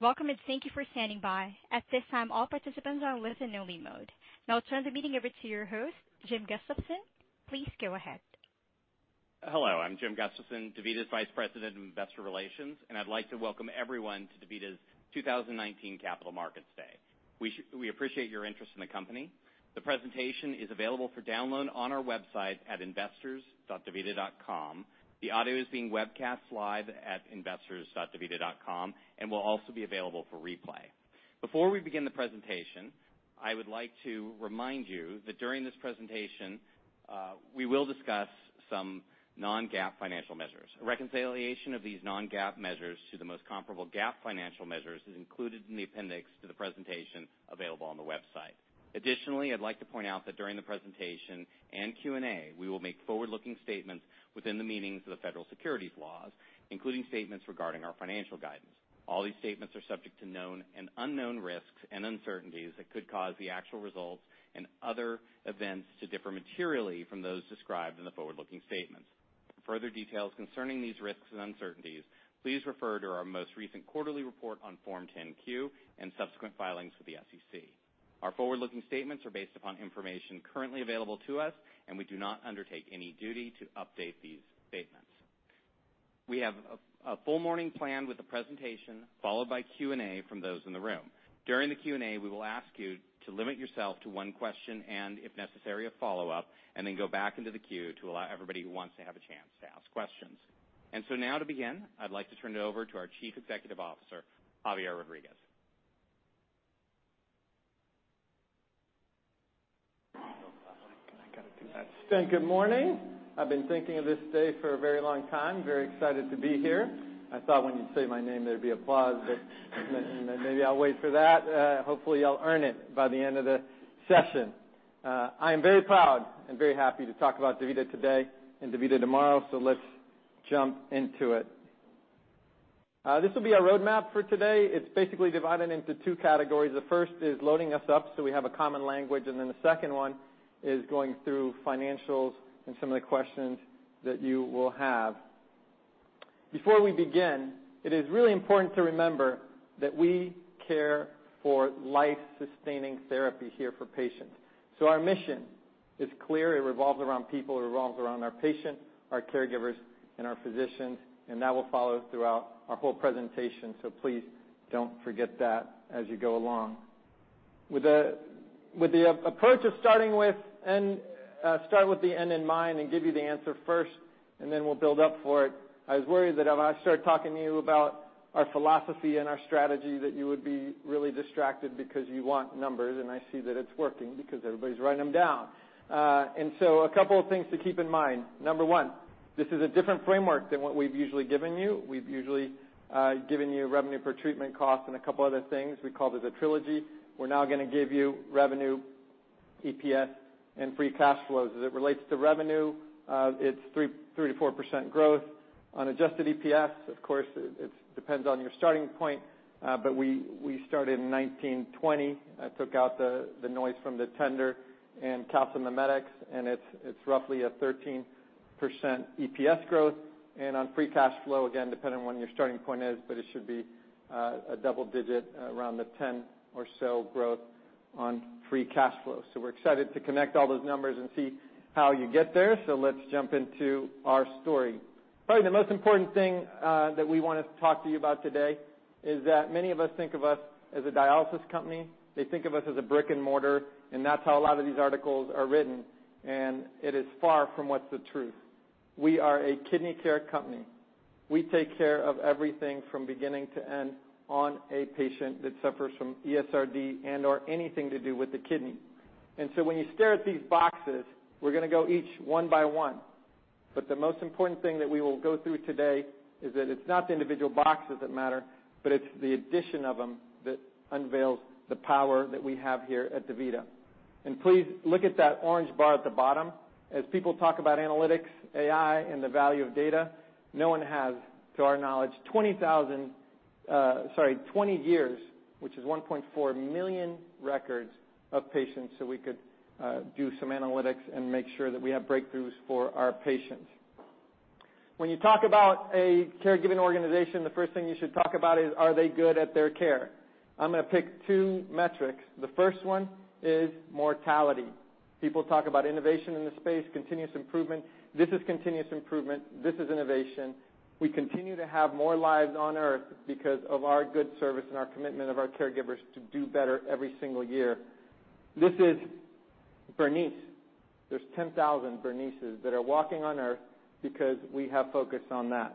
Welcome, and thank you for standing by. At this time, all participants are in listen-only mode. Now I'll turn the meeting over to your host, Jim Gustafson. Please go ahead. Hello, I'm Jim Gustafson, DaVita's Vice President of Investor Relations, and I'd like to welcome everyone to DaVita's 2019 Capital Markets Day. We appreciate your interest in the company. The presentation is available for download on our website at investors.davita.com. The audio is being webcast live at investors.davita.com and will also be available for replay. Before we begin the presentation, I would like to remind you that during this presentation, we will discuss some non-GAAP financial measures. A reconciliation of these non-GAAP measures to the most comparable GAAP financial measures is included in the appendix to the presentation available on the website. Additionally, I'd like to point out that during the presentation and Q&A, we will make forward-looking statements within the meanings of the federal securities laws, including statements regarding our financial guidance. All these statements are subject to known and unknown risks and uncertainties that could cause the actual results and other events to differ materially from those described in the forward-looking statements. For further details concerning these risks and uncertainties, please refer to our most recent quarterly report on Form 10-Q and subsequent filings with the SEC. We do not undertake any duty to update these statements. We have a full morning plan with a presentation followed by Q&A from those in the room. During the Q&A, we will ask you to limit yourself to one question. If necessary, a follow-up. Then go back into the queue to allow everybody who wants to have a chance to ask questions. Now to begin, I'd like to turn it over to our Chief Executive Officer, Javier Rodriguez. I gotta do that. Good morning. I've been thinking of this day for a very long time. Very excited to be here. I thought when you say my name, there'd be applause, but maybe I'll wait for that. Hopefully, I'll earn it by the end of the session. I am very proud and very happy to talk about DaVita today and DaVita tomorrow. Let's jump into it. This will be our roadmap for today. It's basically divided into two categories. The first is loading us up, so we have a common language, and then the second one is going through financials and some of the questions that you will have. Before we begin, it is really important to remember that we care for life-sustaining therapy here for patients. Our mission is clear. It revolves around people, it revolves around our patient, our caregivers, and our physicians, and that will follow throughout our whole presentation. Please don't forget that as you go along. With the approach of start with the end in mind and give you the answer first, then we'll build up for it. I was worried that if I start talking to you about our philosophy and our strategy that you would be really distracted because you want numbers, and I see that it's working because everybody's writing them down. A couple of things to keep in mind. Number one, this is a different framework than what we've usually given you. We've usually given you revenue per treatment cost and a couple other things. We call it the trilogy. We're now gonna give you revenue, EPS, and free cash flows. As it relates to revenue, it's 3%-4% growth. On adjusted EPS, of course, it depends on your starting point, but we started in 1920. I took out the noise from the tender and calcimimetics, and it's roughly a 13% EPS growth. On free cash flow, again, depending on when your starting point is, but it should be a double digit around the 10 or so growth on free cash flow. We're excited to connect all those numbers and see how you get there. Let's jump into our story. Probably the most important thing that we wanna talk to you about today is that many of us think of us as a dialysis company. They think of us as a brick-and-mortar, and that's how a lot of these articles are written, and it is far from what's the truth. We are a kidney care company. We take care of everything from beginning to end on a patient that suffers from ESRD and/or anything to do with the kidney. When you stare at these boxes, we're gonna go each one by one. The most important thing that we will go through today is that it's not the individual boxes that matter, but it's the addition of them that unveils the power that we have here at DaVita. Please look at that orange bar at the bottom. As people talk about analytics, AI, and the value of data, no one has, to our knowledge, 20,000, sorry, 20 years, which is 1.4 million records of patients so we could do some analytics and make sure that we have breakthroughs for our patients. When you talk about a caregiving organization, the first thing you should talk about is, are they good at their care? I'm gonna pick two metrics. The first one is mortality. People talk about innovation in the space, continuous improvement. This is continuous improvement. This is innovation. We continue to have more lives on Earth because of our good service and our commitment of our caregivers to do better every single year. This is Bernice. There's 10,000 Bernices that are walking on Earth because we have focused on that.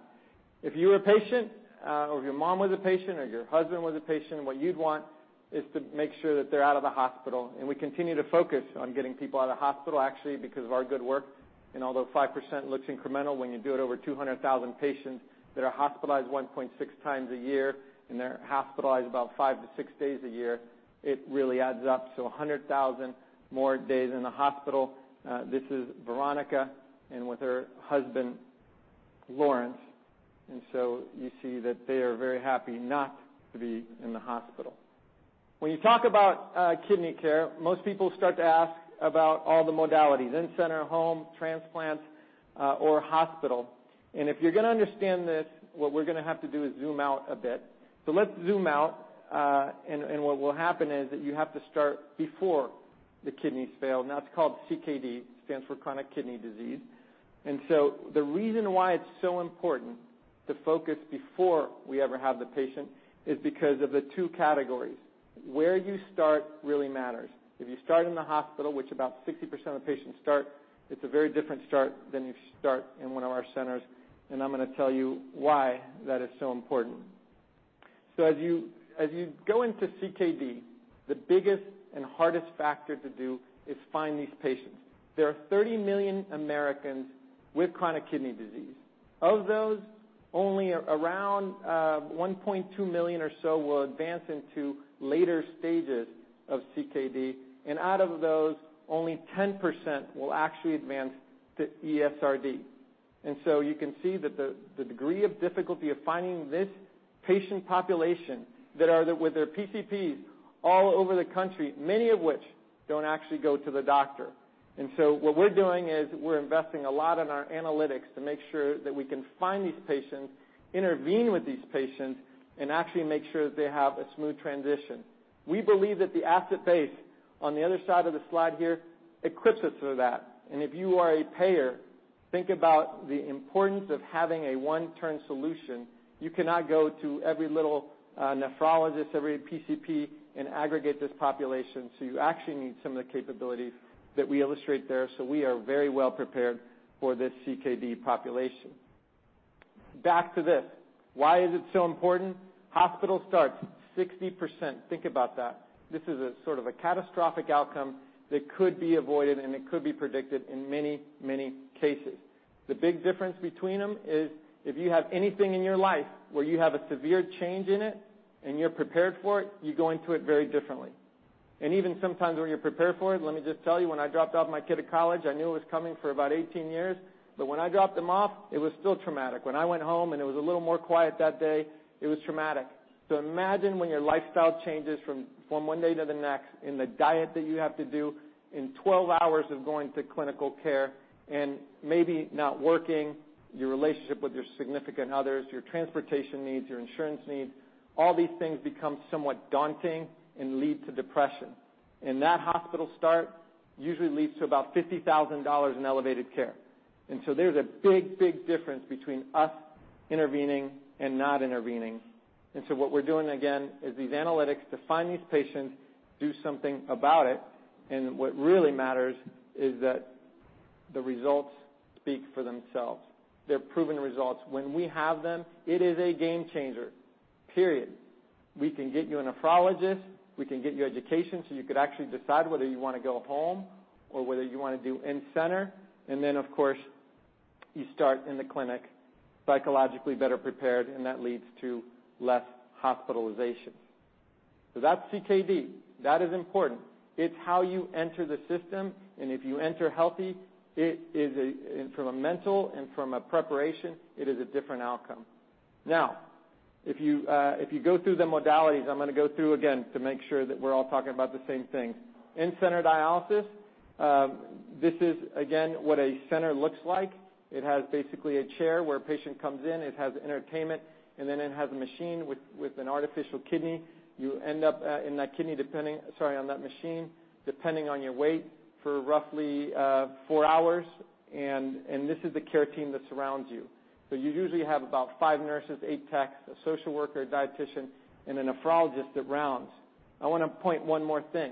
If you're a patient, or your mom was a patient or your husband was a patient, what you'd want is to make sure that they're out of the hospital, and we continue to focus on getting people out of the hospital, actually, because of our good work. Although 5% looks incremental when you do it over 200,000 patients that are hospitalized 1.6 times a year and they're hospitalized about five to six days a year, it really adds up to 100,000 more days in the hospital. This is Veronica and with her husband, Lawrence. You see that they are very happy not to be in the hospital. When you talk about kidney care, most people start to ask about all the modalities, in-center, home, transplants, or hospital. If you're gonna understand this, what we're gonna have to do is zoom out a bit. Let's zoom out, and what will happen is that you have to start before the kidneys fail, and that's called CKD, stands for chronic kidney disease. The reason why it's so important to focus before we ever have the patient is because of the two categories. Where you start really matters. If you start in the hospital, which about 60% of patients start, it's a very different start than you start in one of our centers, and I'm gonna tell you why that is so important. As you go into CKD, the biggest and hardest factor to do is find these patients. There are 30 million Americans with chronic kidney disease. Of those, only around 1.2 million or so will advance into later stages of CKD. Out of those, only 10% will actually advance to ESRD. You can see that the degree of difficulty of finding this patient population with their PCPs all over the country, many of which don't actually go to the doctor. What we're doing is we're investing a lot in our analytics to make sure that we can find these patients, intervene with these patients, and actually make sure that they have a smooth transition. We believe that the asset base on the other side of the slide here equips us for that. If you are a payer, think about the importance of having a one-turn solution. You cannot go to every little nephrologist, every PCP, and aggregate this population, so you actually need some of the capabilities that we illustrate there. We are very well prepared for this CKD population. Back to this. Why is it so important? Hospital starts, 60%. Think about that. This is a sort of a catastrophic outcome that could be avoided, and it could be predicted in many, many cases. The big difference between them is if you have anything in your life where you have a severe change in it and you're prepared for it, you go into it very differently. Even sometimes when you're prepared for it, let me just tell you, when I dropped off my kid at college, I knew it was coming for about 18 years, but when I dropped him off, it was still traumatic. When I went home, and it was a little more quiet that day, it was traumatic. Imagine when your lifestyle changes from one day to the next in the diet that you have to do in 12 hours of going to clinical care and maybe not working, your relationship with your significant others, your transportation needs, your insurance needs, all these things become somewhat daunting and lead to depression. That hospital start usually leads to about $50,000 in elevated care. There's a big difference between us intervening and not intervening. What we're doing, again, is these analytics to find these patients, do something about it. What really matters is that the results speak for themselves. They're proven results. When we have them, it is a game changer, period. We can get you a nephrologist. We can get you education, so you could actually decide whether you wanna go home or whether you wanna do in-center. Of course, you start in the clinic psychologically better prepared, and that leads to less hospitalizations. That's CKD. That is important. It's how you enter the system, and if you enter healthy, it is a from a mental and from a preparation, it is a different outcome. If you, if you go through the modalities, I'm gonna go through again to make sure that we're all talking about the same thing. In-center dialysis, this is again what a center looks like. It has basically a chair where a patient comes in. It has entertainment, and then it has a machine with an artificial kidney. You end up in that kidney depending Sorry, on that machine, depending on your weight for roughly four hours. This is the care team that surrounds you. You usually have about five nurses, eight techs, a social worker, a dietician, and a nephrologist that rounds. I wanna point one more thing.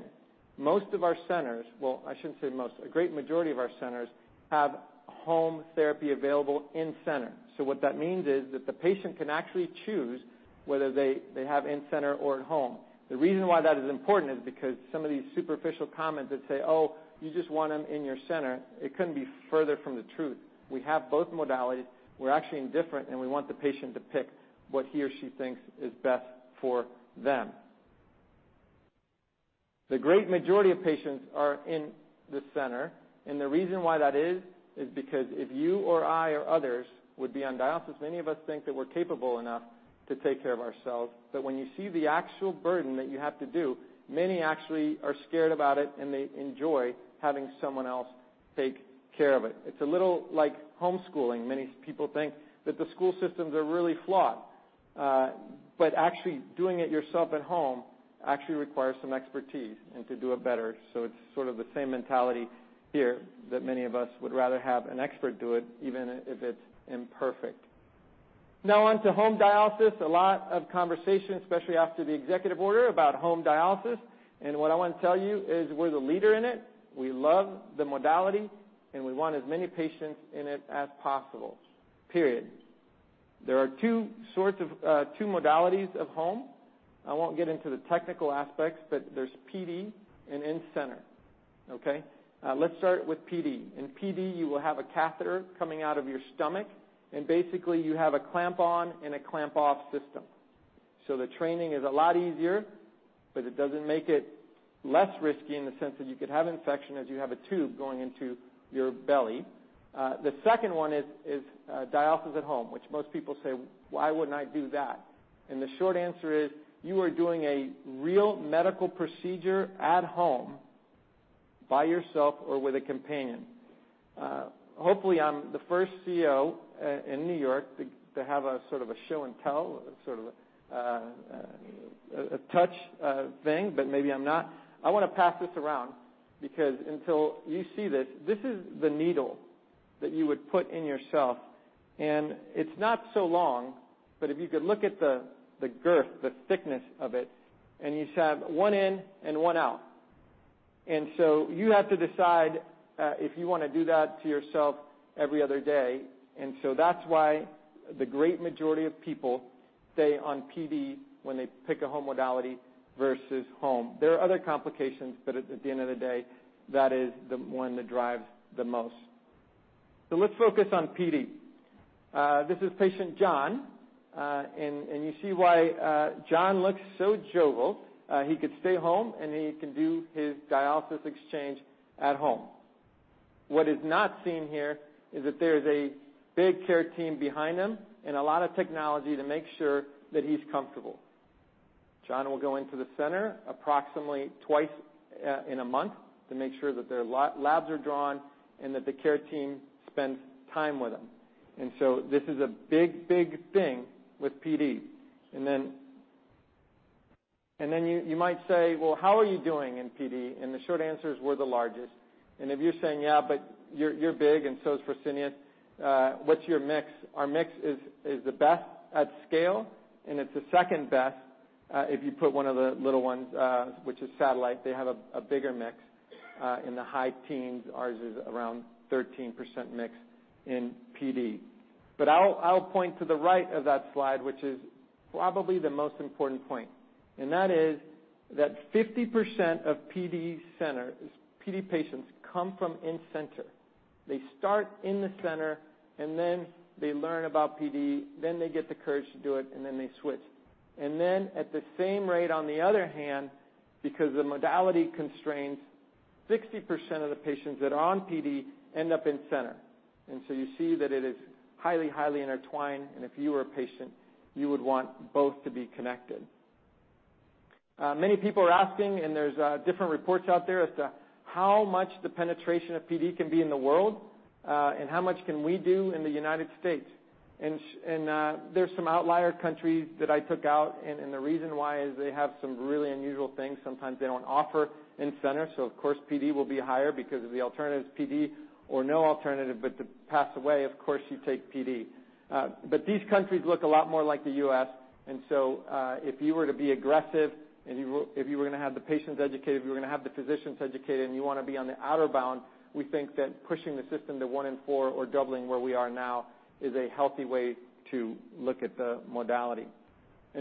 Most of our centers, well, I shouldn't say most, a great majority of our centers have home therapy available in-center. What that means is that the patient can actually choose whether they have in-center or at home. The reason why that is important is because some of these superficial comments that say, "Oh, you just want them in your center," it couldn't be further from the truth. We have both modalities. We're actually indifferent, and we want the patient to pick what he or she thinks is best for them. The great majority of patients are in the center, and the reason why that is because if you or I or others would be on dialysis, many of us think that we're capable enough to take care of ourselves. When you see the actual burden that you have to do, many actually are scared about it, and they enjoy having someone else take care of it. It's a little like homeschooling. Many people think that the school systems are really flawed, but actually doing it yourself at home actually requires some expertise and to do it better. It's sort of the same mentality here that many of us would rather have an expert do it, even if it's imperfect. Now on to home dialysis. A lot of conversation, especially after the executive order, about home dialysis. What I want to tell you is we're the leader in it. We love the modality, and we want as many patients in it as possible, period. There are two sorts of, two modalities of home. I won't get into the technical aspects, but there's PD and in-center, okay? Let's start with PD. In PD, you will have a catheter coming out of your stomach, and basically, you have a clamp-on and a clamp-off system. The training is a lot easier, but it doesn't make it less risky in the sense that you could have infection as you have a tube going into your belly. The second one is dialysis at home, which most people say, "Why wouldn't I do that?" The short answer is you are doing a real medical procedure at home by yourself or with a companion. Hopefully, I'm the first Chief Executive Officer in New York to have a sort of a show and tell, a sort of a touch thing, but maybe I'm not. I want to pass this around because until you see this is the needle that you would put in yourself, and it's not so long, but if you could look at the girth, the thickness of it, and you just have one in and one out. You have to decide if you want to do that to yourself every other day. That's why the great majority of people stay on PD when they pick a home modality versus home. There are other complications, but at the end of the day, that is the one that drives the most. Let's focus on PD. This is patient John, and you see why John looks so jovial. He could stay home, and he can do his dialysis exchange at home. What is not seen here is that there is a big care team behind him and a lot of technology to make sure that he's comfortable. John will go into the center approximately twice in a month to make sure that their labs are drawn and that the care team spends time with him. This is a big, big thing with PD. You might say, "Well, how are you doing in PD?" The short answer is we're the largest. If you're saying, "Yeah, but you're big and so is Fresenius, what's your mix?" Our mix is the best at scale, and it's the second best, if you put one of the little ones, which is Satellite, they have a bigger mix in the high teens. Ours is around 13% mix in PD. I'll point to the right of that slide, which is probably the most important point, and that is that 50% of PD patients come from in-center. They start in the center, and then they learn about PD, then they get the courage to do it, and then they switch. Then at the same rate, on the other hand, because of modality constraints, 60% of the patients that are on PD end up in-center. You see that it is highly intertwined, and if you were a patient, you would want both to be connected. Many people are asking, and there's different reports out there as to how much the penetration of PD can be in the world, and how much can we do in the U.S. There's some outlier countries that I took out, and the reason why is they have some really unusual things. Sometimes they don't offer in-center, so of course, PD will be higher because the alternative is PD or no alternative but to pass away, of course, you take PD. These countries look a lot more like the U.S., if you were to be aggressive, if you were gonna have the patients educated, if you were gonna have the physicians educated, and you wanna be on the outer bound, we think that pushing the system to one in four or doubling where we are now is a healthy way to look at the modality.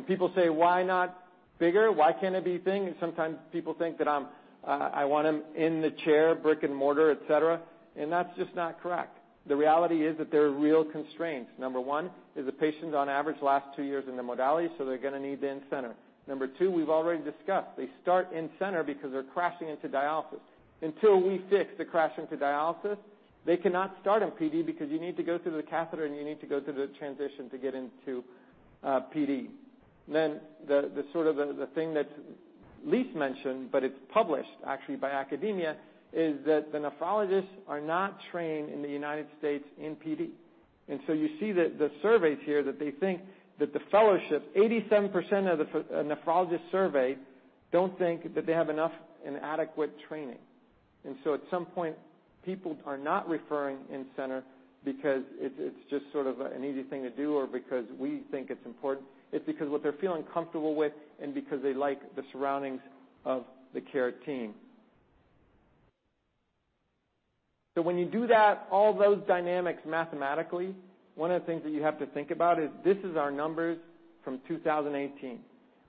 People say, "Why not bigger? Why can't it be thing?" Sometimes people think that I'm, I want them in the chair, brick and mortar, et cetera, and that's just not correct. The reality is that there are real constraints. Number one is the patients on average last two years in the modality, so they're gonna need the in-center. Number two, we've already discussed. They start in-center because they're crashing into dialysis. Until we fix the crash into dialysis, they cannot start on PD because you need to go through the catheter, and you need to go through the transition to get into PD. The sort of the thing that's least mentioned, but it's published actually by academia, is that the nephrologists are not trained in the United States in PD. You see the surveys here that they think that the fellowship, 87% of the nephrologist survey don't think that they have enough and adequate training. At some point, people are not referring in-center because it's just sort of an easy thing to do or because we think it's important. It's because what they're feeling comfortable with and because they like the surroundings of the care team. When you do that, all those dynamics mathematically, one of the things that you have to think about is this is our numbers from 2018.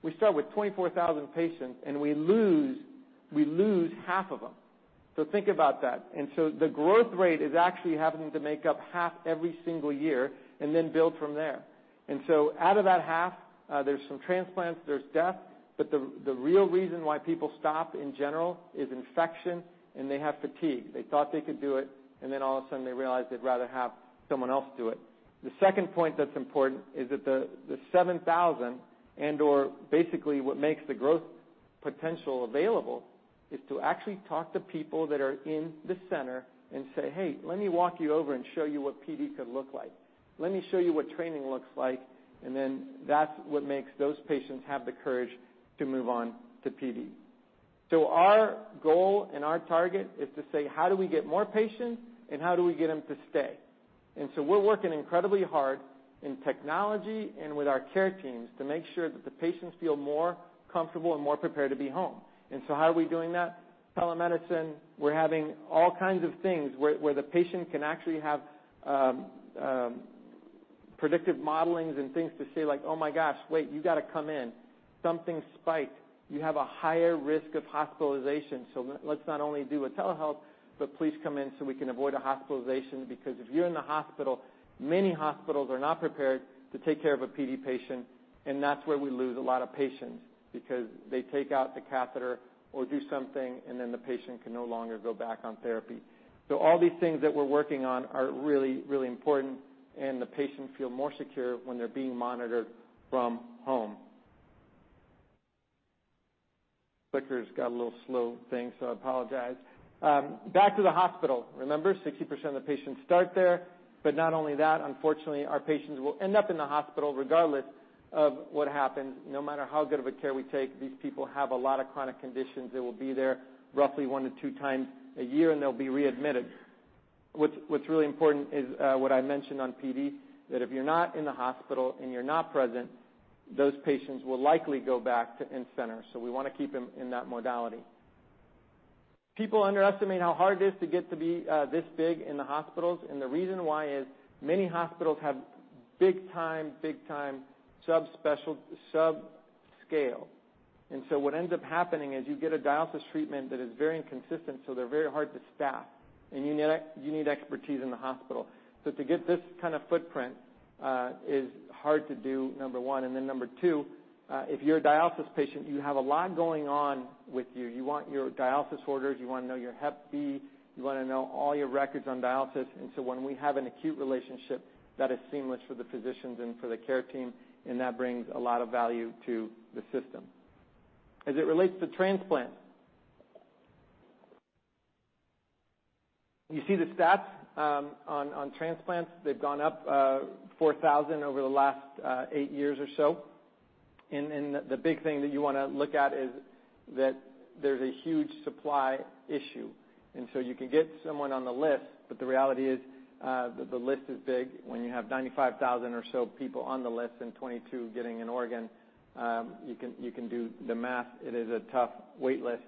We start with 24,000 patients, and we lose half of them. Think about that. The growth rate is actually having to make up half every single year and then build from there. Out of that half, there's some transplants, there's death, but the real reason why people stop in general is infection, and they have fatigue. They thought they could do it, and then all of a sudden they realize they'd rather have someone else do it. The second point that's important is that the 7,000 and/or basically what makes the growth potential available is to actually talk to people that are in the center and say, "Hey, let me walk you over and show you what PD could look like. Let me show you what training looks like." That's what makes those patients have the courage to move on to PD. Our goal and our target is to say, "How do we get more patients, and how do we get them to stay?" We're working incredibly hard in technology and with our care teams to make sure that the patients feel more comfortable and more prepared to be home. How are we doing that? Telemedicine. We're having all kinds of things where the patient can actually have predictive modelings and things to say like, "Oh my gosh, wait, you gotta come in. Something spiked. You have a higher risk of hospitalization. Let's not only do a telehealth, but please come in so we can avoid a hospitalization." If you're in the hospital, many hospitals are not prepared to take care of a PD patient, that's where we lose a lot of patients because they take out the catheter or do something, and then the patient can no longer go back on therapy. All these things that we're working on are really, really important, the patients feel more secure when they're being monitored from home. Clicker's got a little slow thing, I apologize. Back to the hospital. Remember, 60% of the patients start there. Not only that, unfortunately, our patients will end up in the hospital regardless of what happens. No matter how good of a care we take, these people have a lot of chronic conditions. They will be there roughly one to two times a year, and they'll be readmitted. What's really important is what I mentioned on PD, that if you're not in the hospital and you're not present, those patients will likely go back to in-center. We wanna keep them in that modality. People underestimate how hard it is to get to be this big in the hospitals, and the reason why is many hospitals have big time sub scale. What ends up happening is you get a dialysis treatment that is very inconsistent, so they're very hard to staff, and you need expertise in the hospital. To get this kind of footprint is hard to do, number one. Number two, if you're a dialysis patient, you have a lot going on with you. You want your dialysis orders. You wanna know your Hep B. You wanna know all your records on dialysis. When we have an acute relationship, that is seamless for the physicians and for the care team, and that brings a lot of value to the system. As it relates to transplant. You see the stats on transplants. They've gone up 4,000 over the last eight years or so. The big thing that you wanna look at is that there's a huge supply issue. You can get someone on the list, but the reality is, the list is big. When you have 95,000 or so people on the list and 22 getting an organ, you can do the math. It is a tough wait list.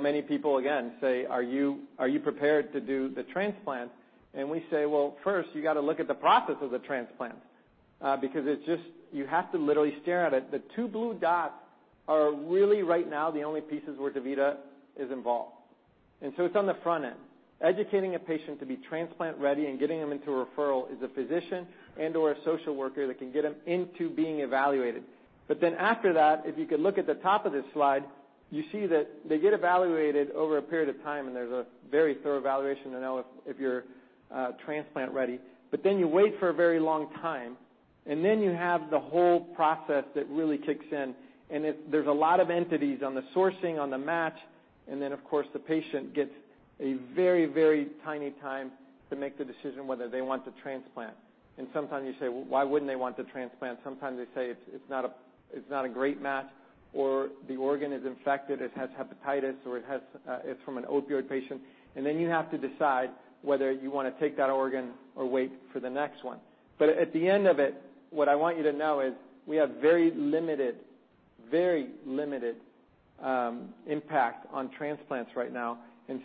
Many people, again, say, "Are you prepared to do the transplant?" We say, "Well, first, you gotta look at the process of the transplant," because it's just you have to literally stare at it. The two blue dots are really right now the only pieces where DaVita is involved. It's on the front end. Educating a patient to be transplant-ready and getting them into a referral is a physician and/or a social worker that can get them into being evaluated. After that, if you could look at the top of this slide, you see that they get evaluated over a period of time, and there's a very thorough evaluation to know if you're transplant ready. You wait for a very long time, and then you have the whole process that really kicks in. There's a lot of entities on the sourcing, on the match, and then, of course, the patient gets a very, very tiny time to make the decision whether they want the transplant. Sometimes you say, "Well, why wouldn't they want the transplant?" Sometimes they say it's not a great match or the organ is infected, it has hepatitis, or it has, it's from an opioid patient. Then you have to decide whether you wanna take that organ or wait for the next one. At the end of it, what I want you to know is we have very limited impact on transplants right now.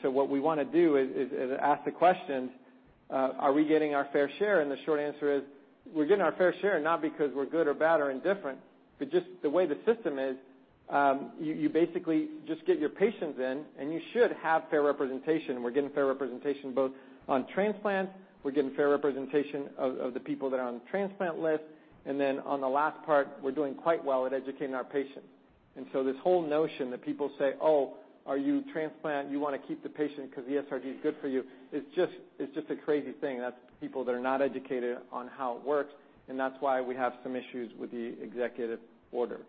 What we wanna do is ask the questions, are we getting our fair share? The short answer is, we're getting our fair share not because we're good or bad or indifferent, but just the way the system is, you basically just get your patients in, and you should have fair representation. We're getting fair representation both on transplant. We're getting fair representation of the people that are on the transplant list. Then on the last part, we're doing quite well at educating our patients. This whole notion that people say, "Oh, are you transplant? You wanna keep the patient because the ESRD is good for you," is just a crazy thing. That's people that are not educated on how it works, and that's why we have some issues with the executive order.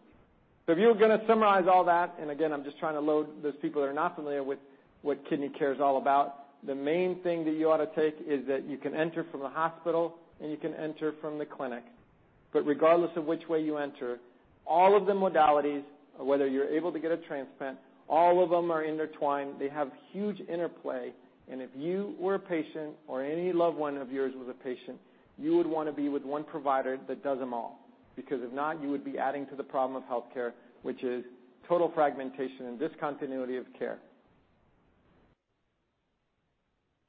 If you were gonna summarize all that, and again, I'm just trying to load those people that are not familiar with what kidney care is all about. The main thing that you ought to take is that you can enter from the hospital and you can enter from the clinic. Regardless of which way you enter, all of the modalities, whether you're able to get a transplant, all of them are intertwined. They have huge interplay. If you were a patient or any loved one of yours was a patient, you would wanna be with one provider that does them all. If not, you would be adding to the problem of healthcare, which is total fragmentation and discontinuity of care.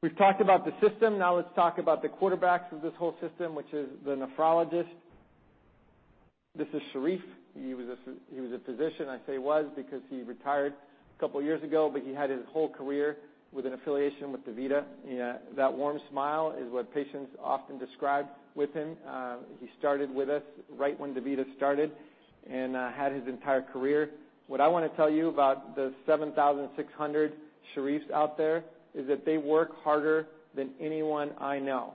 We've talked about the system. Let's talk about the quarterbacks of this whole system, which is the nephrologist. This is Sharif. He was a physician. I say was because he retired a couple years ago, but he had his whole career with an affiliation with DaVita. Yeah, that warm smile is what patients often describe with him. He started with us right when DaVita started and had his entire career. What I wanna tell you about the 7,600 Sharifs out there is that they work harder than anyone I know.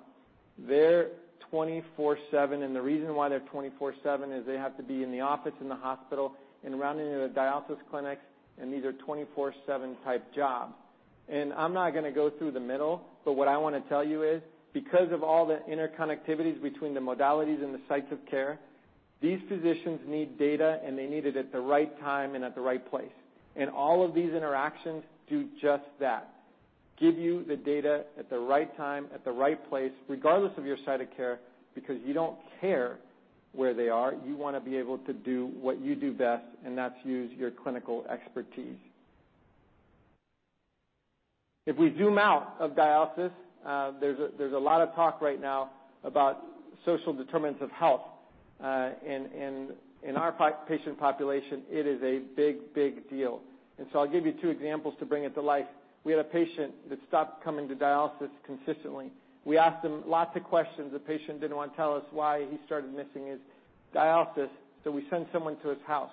They're 24/7, and the reason why they're 24/7 is they have to be in the office, in the hospital, and running in a dialysis clinic, and these are 24/7 type jobs. I'm not gonna go through the middle, but what I wanna tell you is, because of all the interconnectivities between the modalities and the sites of care, these physicians need data, and they need it at the right time and at the right place. All of these interactions do just that, give you the data at the right time, at the right place, regardless of your site of care, because you don't care where they are. You wanna be able to do what you do best, and that's use your clinical expertise. If we zoom out of dialysis, there's a lot of talk right now about social determinants of health. In our patient population, it is a big, big deal. I'll give you two examples to bring it to life. We had a patient that stopped coming to dialysis consistently. We asked him lots of questions. The patient didn't wanna tell us why he started missing his dialysis, so we sent someone to his house.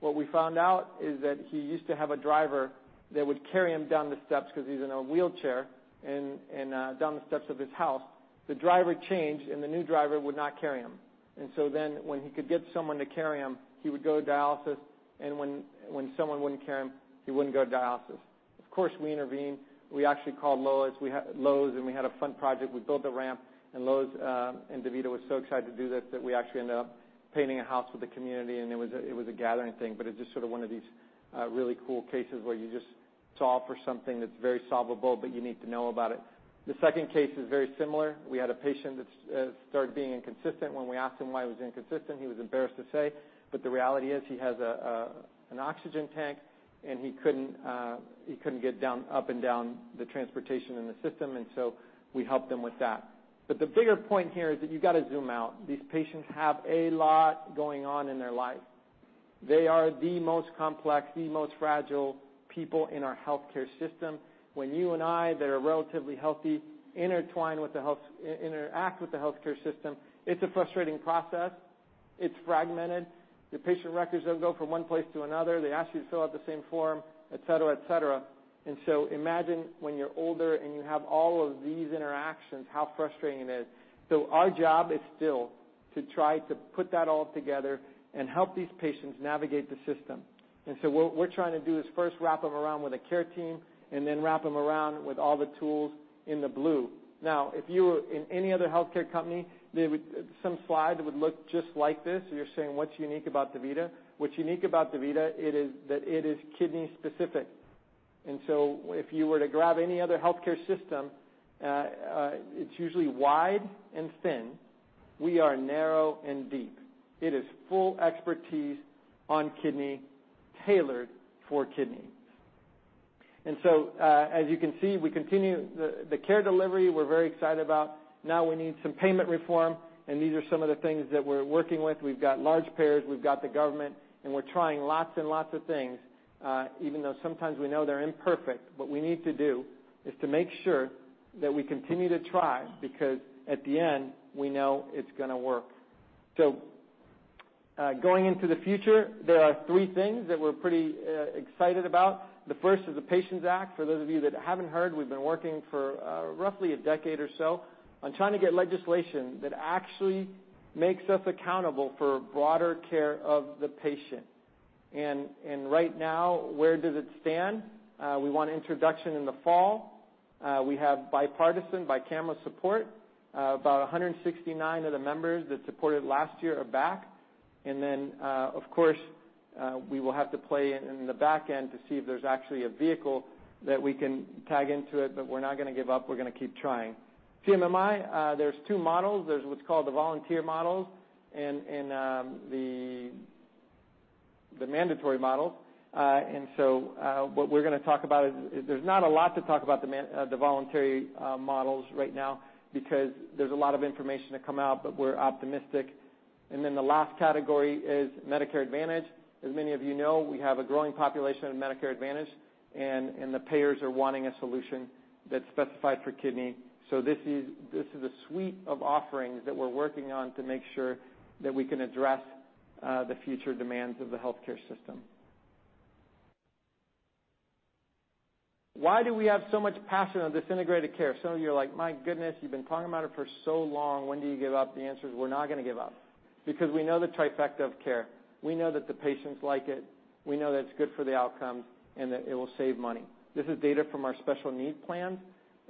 What we found out is that he used to have a driver that would carry him down the steps 'cause he's in a wheelchair and down the steps of his house. The driver changed, and the new driver would not carry him. When he could get someone to carry him, he would go to dialysis, and when someone wouldn't carry him, he wouldn't go to dialysis. Of course, we intervened. We actually called Lowe's. Lowe's, and we had a fun project. We built a ramp, and Lowe's and DaVita was so excited to do this that we actually ended up painting a house with the community, and it was a gathering thing. It's just sort of one of these really cool cases where you just solve for something that's very solvable, but you need to know about it. The second case is very similar. We had a patient that started being inconsistent. When we asked him why he was inconsistent, he was embarrassed to say, but the reality is he has an oxygen tank, he couldn't get down, up and down the transportation in the system, we helped him with that. The bigger point here is that you gotta zoom out. These patients have a lot going on in their life. They are the most complex, the most fragile people in our healthcare system. When you and I, that are relatively healthy, interact with the healthcare system, it's a frustrating process. It's fragmented. Your patient records don't go from one place to another. They ask you to fill out the same form, et cetera, et cetera. Imagine when you're older and you have all of these interactions, how frustrating it is. Our job is still to try to put that all together and help these patients navigate the system. What we're trying to do is first wrap them around with a care team and then wrap them around with all the tools in the blue. If you were in any other healthcare company, some slide would look just like this. You're saying, "What's unique about DaVita?" What's unique about DaVita, it is that it is kidney specific. If you were to grab any other healthcare system, it's usually wide and thin. We are narrow and deep. It is full expertise on kidney, tailored for kidney. As you can see, we continue the care delivery we're very excited about. We need some payment reform, and these are some of the things that we're working with. We've got large payers, we've got the government, and we're trying lots and lots of things, even though sometimes we know they're imperfect. What we need to do is to make sure that we continue to try because at the end, we know it's gonna work. Going into the future, there are three things that we're pretty excited about. The first is the PATIENTS Act. For those of you that haven't heard, we've been working for roughly a decade or so on trying to get legislation that actually makes us accountable for broader care of the patient. Right now, where does it stand? We want introduction in the fall. We have bipartisan, bicameral support. About 169 of the members that supported last year are back. Then, of course, we will have to play in the back end to see if there's actually a vehicle that we can tag into it, but we're not gonna give up. We're gonna keep trying. CMMI, there's two models. There's what's called the volunteer models and the mandatory models. So, what we're gonna talk about is there's not a lot to talk about the voluntary models right now because there's a lot of information to come out, but we're optimistic. Then the last category is Medicare Advantage. As many of you know, we have a growing population in Medicare Advantage, and the payers are wanting a solution that's specified for kidney. This is a suite of offerings that we're working on to make sure that we can address the future demands of the healthcare system. Why do we have so much passion on this integrated care? Some of you are like, "My goodness, you've been talking about it for so long. When do you give up?" The answer is we're not gonna give up because we know the trifecta of care. We know that the patients like it. We know that it's good for the outcomes and that it will save money. This is data from our special needs plans,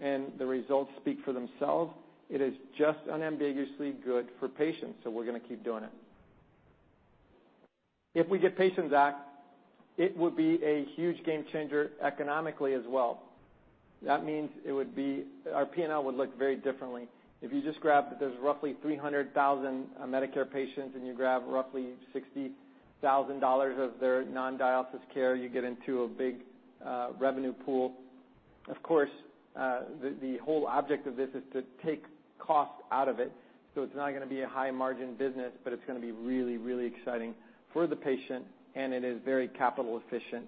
and the results speak for themselves. It is just unambiguously good for patients, so we're gonna keep doing it. If we get PATIENTS Act, it would be a huge game changer economically as well. That means Our P&L would look very differently. If you just grab that there's roughly 300,000 Medicare patients and you grab roughly $60,000 of their non-dialysis care, you get into a big revenue pool. Of course, the whole object of this is to take cost out of it, so it's not gonna be a high-margin business, but it's gonna be really, really exciting for the patient, and it is very capital efficient.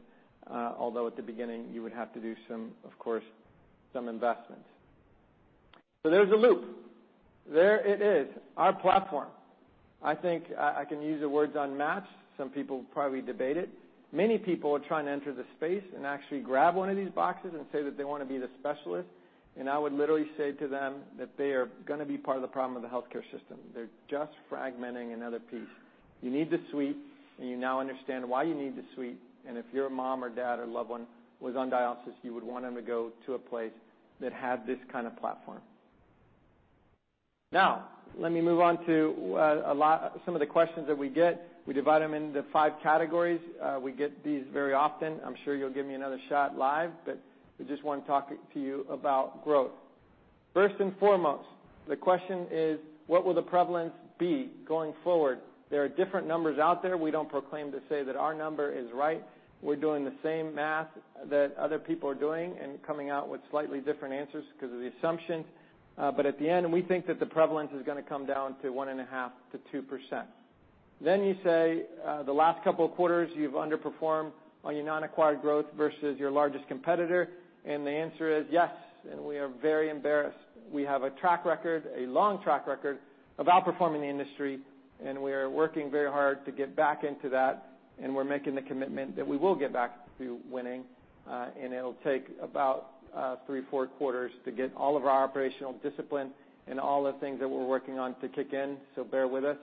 Although at the beginning, you would have to do some, of course, some investments. There's the loop. There it is, our platform. I think, I can use the words unmatched. Some people probably debate it. Many people are trying to enter the space and actually grab one of these boxes and say that they wanna be the specialist, I would literally say to them that they are gonna be part of the problem of the healthcare system. They're just fragmenting another piece. You need the suite, you now understand why you need the suite. If your mom or dad or loved one was on dialysis, you would want them to go to a place that had this kind of platform. Now, let me move on to some of the questions that we get. We divide them into five categories. We get these very often. I'm sure you'll give me another shot live, we just wanna talk to you about growth. First and foremost, the question is, what will the prevalence be going forward? There are different numbers out there. We don't proclaim to say that our number is right. We're doing the same math that other people are doing and coming out with slightly different answers because of the assumptions. At the end, we think that the prevalence is gonna come down to 1.5% to 2%. You say, the last couple of quarters, you've underperformed on your non-acquired growth versus your largest competitor. The answer is yes, and we are very embarrassed. We have a track record, a long track record of outperforming the industry. We are working very hard to get back into that. We are making the commitment that we will get back to winning, and it'll take about three, four quarters to get all of our operational discipline and all the things that we're working on to kick in. Bear with us,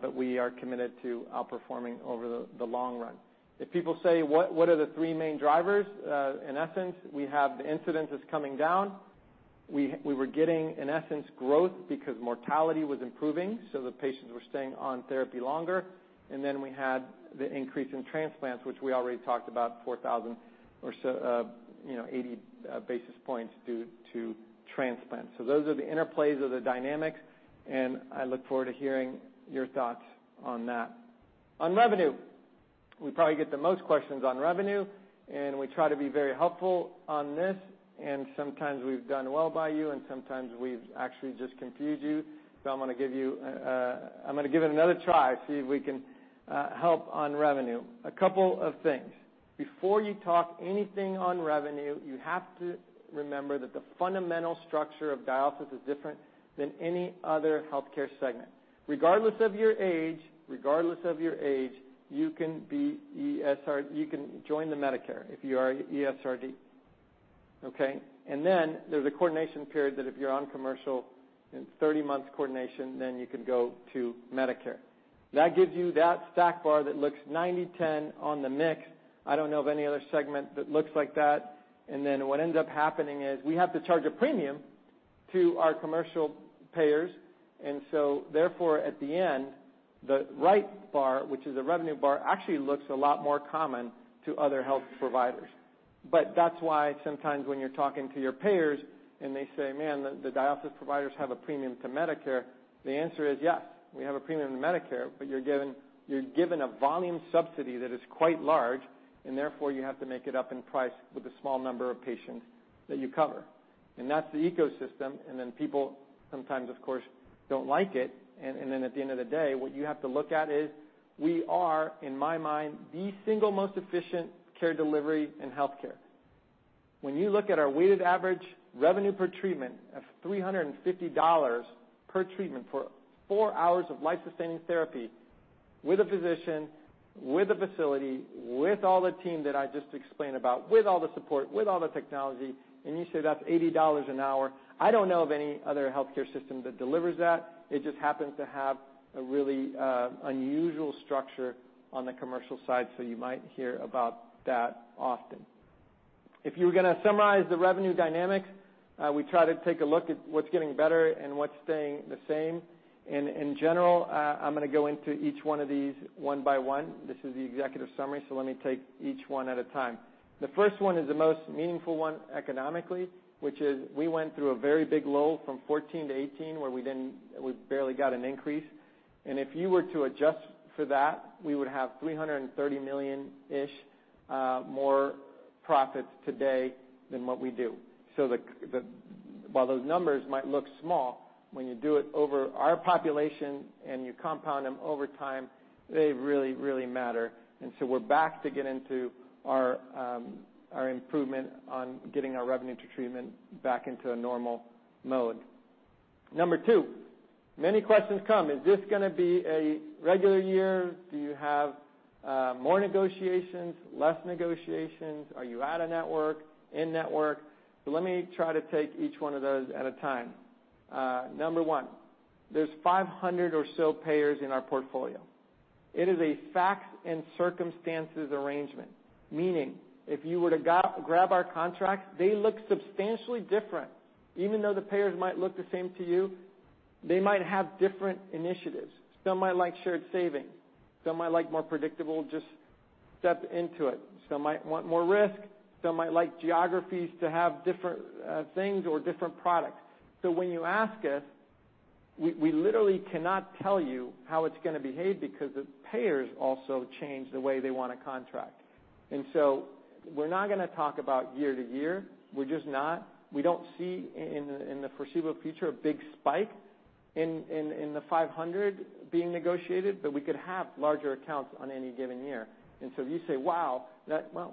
but we are committed to outperforming over the long run. If people say, what are the three main drivers? In essence, we have the incidence that's coming down. We were getting, in essence, growth because mortality was improving, so the patients were staying on therapy longer. Then we had the increase in transplants, which we already talked about, 4,000 or so, you know, 80 basis points due to transplant. Those are the interplays or the dynamics, and I look forward to hearing your thoughts on that. On revenue, we probably get the most questions on revenue, and we try to be very helpful on this, and sometimes we've done well by you, and sometimes we've actually just confused you. I'm gonna give you, I'm gonna give it another try, see if we can help on revenue. A couple of things. Before you talk anything on revenue, you have to remember that the fundamental structure of dialysis is different than any other healthcare segment. Regardless of your age, you can be ESRD. You can join the Medicare if you are ESRD, okay? Then there's a coordination period that if you're on commercial, it's 30 months coordination, then you can go to Medicare. That gives you that stack bar that looks 90/10 on the mix. I don't know of any other segment that looks like that. Then what ends up happening is we have to charge a premium to our commercial payers. Therefore, at the end, the right bar, which is a revenue bar, actually looks a lot more common to other health providers. That's why sometimes when you're talking to your payers and they say, "Man, the dialysis providers have a premium to Medicare," the answer is yes, we have a premium to Medicare, but you're given a volume subsidy that is quite large, and therefore, you have to make it up in price with the small number of patients that you cover. That's the ecosystem, then people sometimes, of course, don't like it. Then at the end of the day, what you have to look at is we are, in my mind, the single most efficient care delivery in healthcare. When you look at our weighted average revenue per treatment of $350 per treatment for four hours of life-sustaining therapy with a physician, with a facility, with all the team that I just explained about, with all the support, with all the technology, and you say that's $80 an hour, I don't know of any other healthcare system that delivers that. It just happens to have a really unusual structure on the commercial side, so you might hear about that often. If you were gonna summarize the revenue dynamics, we try to take a look at what's getting better and what's staying the same. In general, I'm going to go into each one of these one by one. This is the executive summary, let me take each one at a time. The first one is the most meaningful one economically, which is we went through a very big lull from 2014-2018, where we barely got an increase. If you were to adjust for that, we would have $330 million-ish more profits today than what we do. The While those numbers might look small, when you do it over our population and you compound them over time, they really, really matter. We're back to get into our improvement on getting our revenue to treatment back into a normal mode. Number two, many questions come: is this going to be a regular year? Do you have more negotiations, less negotiations? Are you out-of-network, in-network? Let me try to take each one of those at a time. Number one, there's 500 or so payers in our portfolio. It is a facts and circumstances arrangement. Meaning, if you were to grab our contract, they look substantially different. Even though the payers might look the same to you, they might have different initiatives. Some might like shared saving, some might like more predictable, just step into it. Some might want more risk, some might like geographies to have different things or different products. When you ask us, we literally cannot tell you how it's gonna behave because the payers also change the way they want to contract. We're not gonna talk about year-to-year. We're just not. We don't see in the foreseeable future, a big spike in the 500 being negotiated, but we could have larger accounts on any given year. You say, "Well,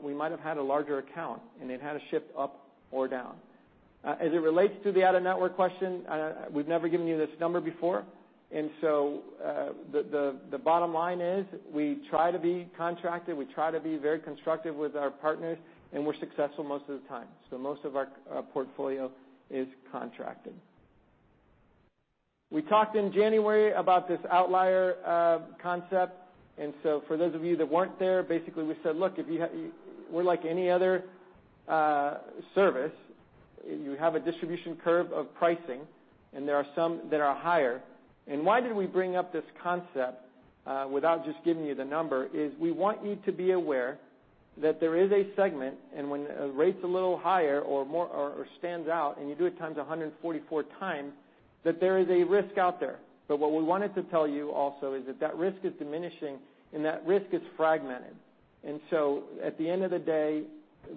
we might have had a larger account, and it had to shift up or down. As it relates to the out-of-network question, we've never given you this number before. The bottom line is we try to be contracted, we try to be very constructive with our partners, and we're successful most of the time. Most of our portfolio is contracted. We talked in January about this outlier concept. For those of you that weren't there, basically we said, "Look, We're like any other service. You have a distribution curve of pricing, and there are some that are higher. Why did we bring up this concept, without just giving you the number, is we want you to be aware that there is a segment, and when a rate's a little higher or more or stands out and you do it times 144 times, that there is a risk out there. What we wanted to tell you also is that that risk is diminishing and that risk is fragmented. At the end of the day,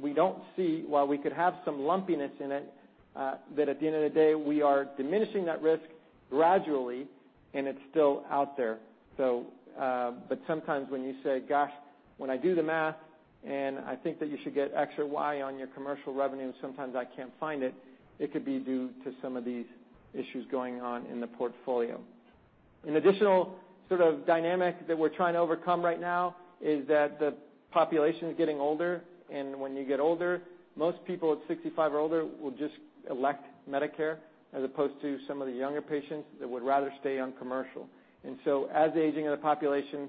we don't see, while we could have some lumpiness in it, that at the end of the day, we are diminishing that risk gradually and it's still out there. Sometimes when you say, "Gosh, when I do the math and I think that you should get X or Y on your commercial revenue, and sometimes I can't find it," it could be due to some of these issues going on in the portfolio. An additional sort of dynamic that we're trying to overcome right now is that the population is getting older, and when you get older, most people at 65 or older will just elect Medicare as opposed to some of the younger patients that would rather stay on commercial. As the aging of the population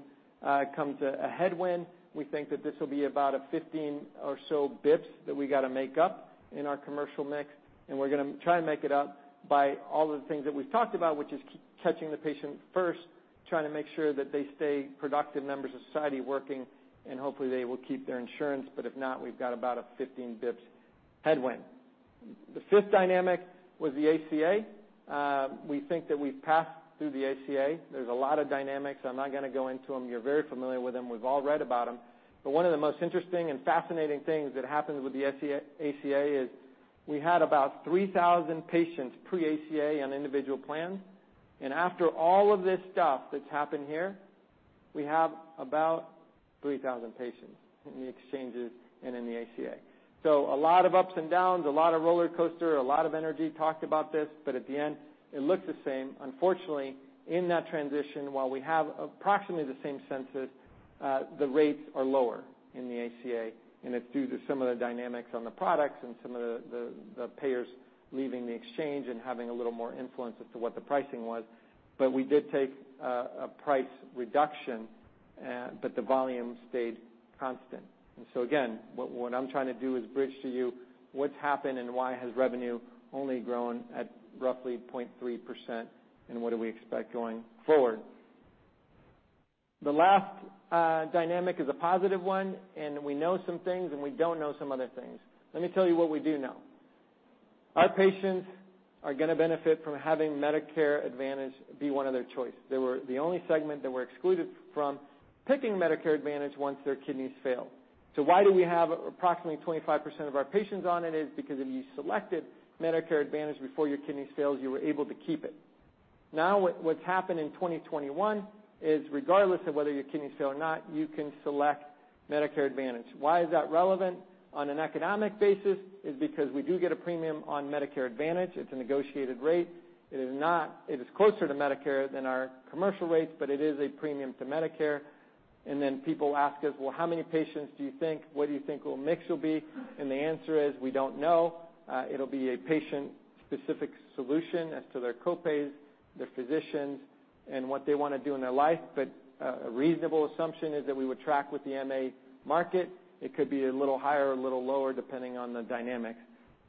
comes a headwind, we think that this will be about a 15 or so basis points that we got to make up in our commercial mix, and we're gonna try and make it up by all of the things that we've talked about, which is keep catching the patient first, trying to make sure that they stay productive members of society working, hopefully they will keep their insurance. If not, we've got about a 15 basis points headwind. The fifth dynamic was the ACA. We think that we've passed through the ACA. There's a lot of dynamics. I'm not gonna go into them. You're very familiar with them. We've all read about them. One of the most interesting and fascinating things that happens with the ACA is we had about 3,000 patients pre-ACA on individual plans, and after all of this stuff that's happened here, we have about 3,000 patients in the exchanges and in the ACA. A lot of ups and downs, a lot of roller coaster, a lot of energy talked about this, but at the end it looks the same. Unfortunately, in that transition, while we have approximately the same census, the rates are lower in the ACA, and it's due to some of the dynamics on the products and some of the payers leaving the exchange and having a little more influence as to what the pricing was. We did take a price reduction, but the volume stayed constant. Again, what I'm trying to do is bridge to you what's happened and why has revenue only grown at roughly 0.3% and what do we expect going forward. The last dynamic is a positive one, and we know some things and we don't know some other things. Let me tell you what we do know. Our patients are gonna benefit from having Medicare Advantage be one of their choice. They were the only segment that were excluded from picking Medicare Advantage once their kidneys fail. Why do we have approximately 25% of our patients on it is because if you selected Medicare Advantage before your kidney fails, you were able to keep it. Now what's happened in 2021 is regardless of whether your kidneys fail or not, you can select Medicare Advantage. Why is that relevant on an economic basis is because we do get a premium on Medicare Advantage. It's a negotiated rate. It is closer to Medicare than our commercial rates, but it is a premium to Medicare. Then people ask us, "Well, how many patients do you think? What do you think will mix will be?" The answer is we don't know. It'll be a patient-specific solution as to their copays, their physicians, and what they wanna do in their life. A reasonable assumption is that we would track with the MA market. It could be a little higher or a little lower depending on the dynamics.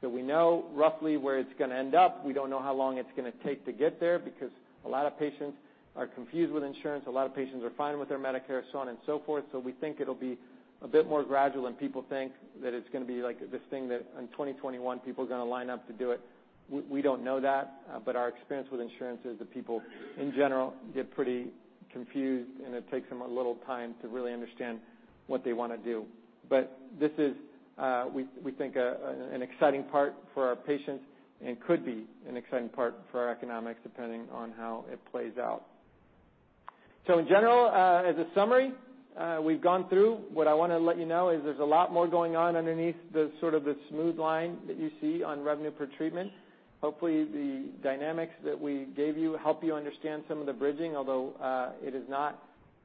We know roughly where it's gonna end up. We don't know how long it's gonna take to get there because a lot of patients are confused with insurance, a lot of patients are fine with their Medicare, so on and so forth. We think it'll be a bit more gradual, and people think that it's gonna be like this thing that in 2021 people are gonna line up to do it. We don't know that, but our experience with insurance is that people in general get pretty confused, and it takes them a little time to really understand what they wanna do. This is, we think, an exciting part for our patients and could be an exciting part for our economics depending on how it plays out. In general, as a summary, we've gone through. What I wanna let you know is there's a lot more going on underneath the sort of the smooth line that you see on revenue per treatment. Hopefully, the dynamics that we gave you help you understand some of the bridging, although it is not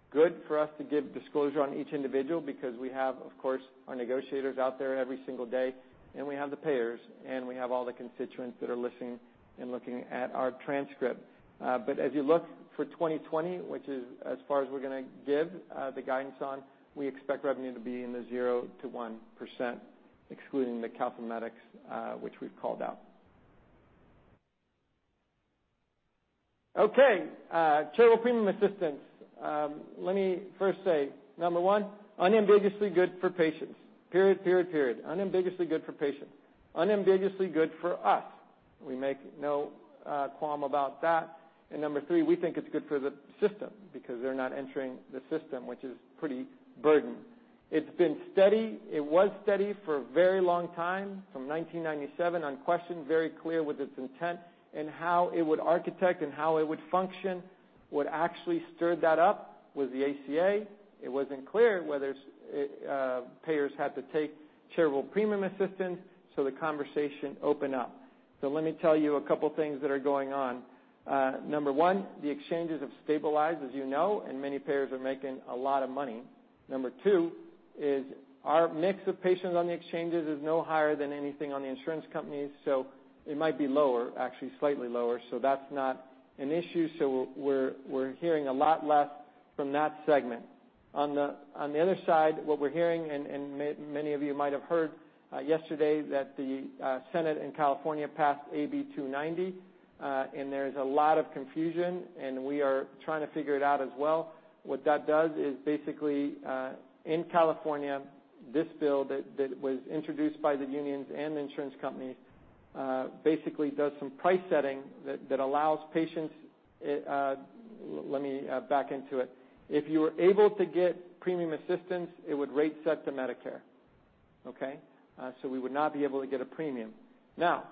good for us to give disclosure on each individual because we have, of course, our negotiators out there every single day, and we have the payers, and we have all the constituents that are listening and looking at our transcript. As you look for 2020, which is as far as we're gonna give the guidance on, we expect revenue to be in the 0%-1%, excluding the calcimimetics, which we've called out. Okay. Charitable premium assistance. Let me first say, number one, unambiguously good for patients, period. Unambiguously good for patients. Unambiguously good for us. We make no qualm about that. Number three, we think it's good for the system because they're not entering the system, which is pretty burdened. It's been steady. It was steady for a very long time, from 1997, unquestioned, very clear with its intent and how it would architect and how it would function. What actually stirred that up was the ACA. It wasn't clear whether payers had to take charitable premium assistance, so the conversation opened up. Let me tell you a couple things that are going on. Number one, the exchanges have stabilized, as you know, and many payers are making a lot of money. Number two is our mix of patients on the exchanges is no higher than anything on the insurance companies, so it might be lower, actually slightly lower. That's not an issue. We're hearing a lot less from that segment. On the other side, what we're hearing and many of you might have heard yesterday that the Senate in California passed AB 290. There's a lot of confusion, and we are trying to figure it out as well. What that does is basically in California, this bill that was introduced by the unions and the insurance companies basically does some price setting that allows patients, let me back into it. If you were able to get premium assistance, it would rate set to Medicare, okay. We would not be able to get a premium. Now,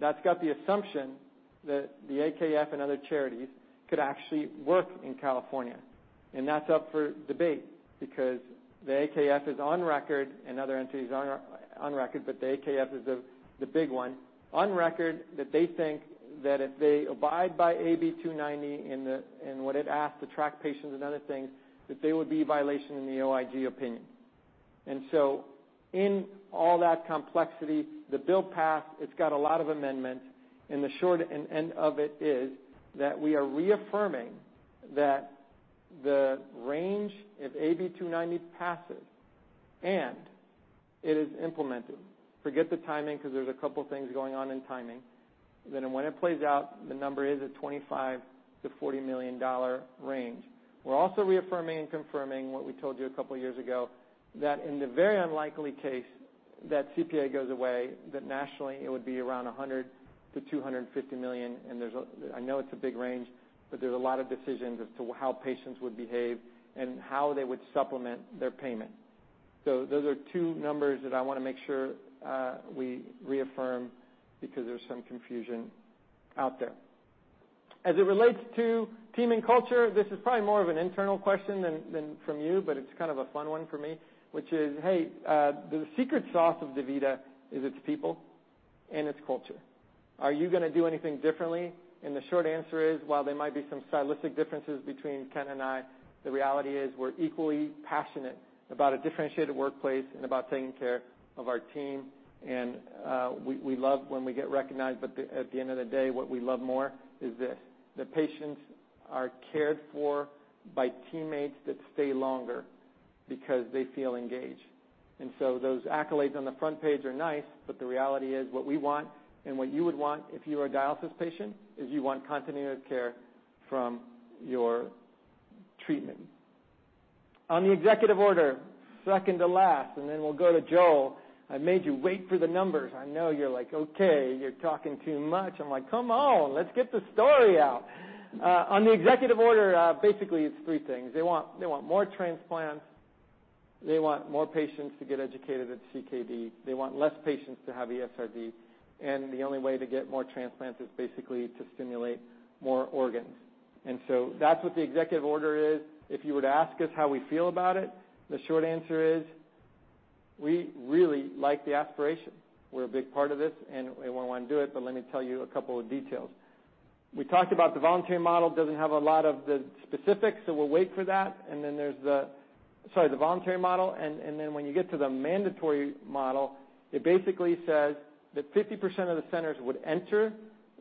that's got the assumption that the AKF and other charities could actually work in California. That's up for debate because the AKF is on record and other entities are on record, but the AKF is the big one, on record that they think that if they abide by AB 290 and what it asks to track patients and other things, that they would be violation in the OIG opinion. In all that complexity, the bill passed, it's got a lot of amendments, and the short end of it is that we are reaffirming that the range, if AB 290 passes and it is implemented, forget the timing because there's a couple of things going on in timing, then when it plays out, the number is a $25 million-$40 million range. We're also reaffirming and confirming what we told you a couple of years ago, that in the very unlikely case that CPA goes away, that nationally it would be around $100 million-$250 million. I know it's a big range, but there's a lot of decisions as to how patients would behave and how they would supplement their payment. Those are two numbers that I wanna make sure we reaffirm because there's some confusion out there. As it relates to team and culture, this is probably more of an internal question than from you, but it's kind of a fun one for me, which is, hey, the secret sauce of DaVita is its people and its culture. Are you gonna do anything differently? The short answer is, while there might be some stylistic differences between Ken and I, the reality is we're equally passionate about a differentiated workplace and about taking care of our team. We love when we get recognized, but at the end of the day, what we love more is this. The patients are cared for by teammates that stay longer because they feel engaged. Those accolades on the front page are nice, but the reality is what we want and what you would want if you were a dialysis patient, is you want continuity of care from your treatment. On the executive order, second to last, we'll go to Joel. I made you wait for the numbers. I know you're like, "Okay, you're talking too much." I'm like, "Come on, let's get the story out." on the executive order, basically it's three things. They want more transplants. They want more patients to get educated at CKD. They want less patients to have ESRD. The only way to get more transplants is basically to stimulate more organs. That's what the executive order is. If you were to ask us how we feel about it, the short answer is we really like the aspiration. We're a big part of this and we wanna do it, but let me tell you a couple of details. We talked about the voluntary model, doesn't have a lot of the specifics, so we'll wait for that. There's the Sorry, the voluntary model, when you get to the mandatory model, it basically says that 50% of the centers would enter,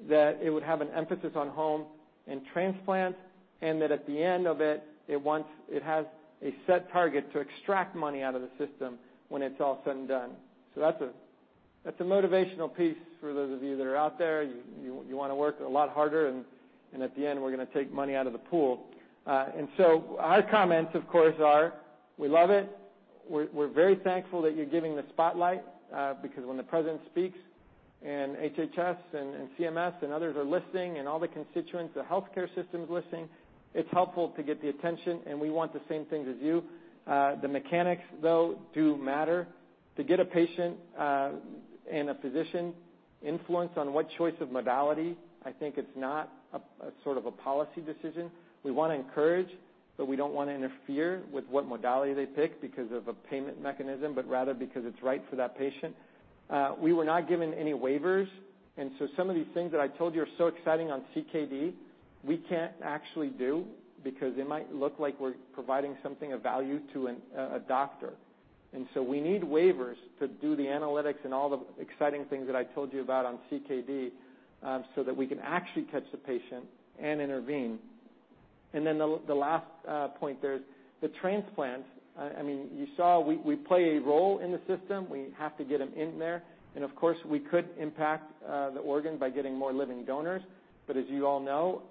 that it would have an emphasis on home and transplant, and that at the end of it has a set target to extract money out of the system when it's all said and done. That's a, that's a motivational piece for those of you that are out there. You want to work a lot harder, and at the end, we're going to take money out of the pool. Our comments, of course, are we love it. We're very thankful that you're giving the spotlight, because when the president speaks and HHS and CMS and others are listening and all the constituents, the healthcare system is listening, it's helpful to get the attention. We want the same things as you. The mechanics, though, do matter. To get a patient and a physician influence on what choice of modality, I think it's not a sort of a policy decision. We wanna encourage, but we don't wanna interfere with what modality they pick because of a payment mechanism, but rather because it's right for that patient. We were not given any waivers, some of these things that I told you are so exciting on CKD, we can't actually do because it might look like we're providing something of value to a doctor. We need waivers to do the analytics and all the exciting things that I told you about on CKD, so that we can actually catch the patient and intervene. The last point there is the transplant. I mean, you saw we play a role in the system. We have to get them in there. Of course, we could impact the organ by getting more living donors. As you all know,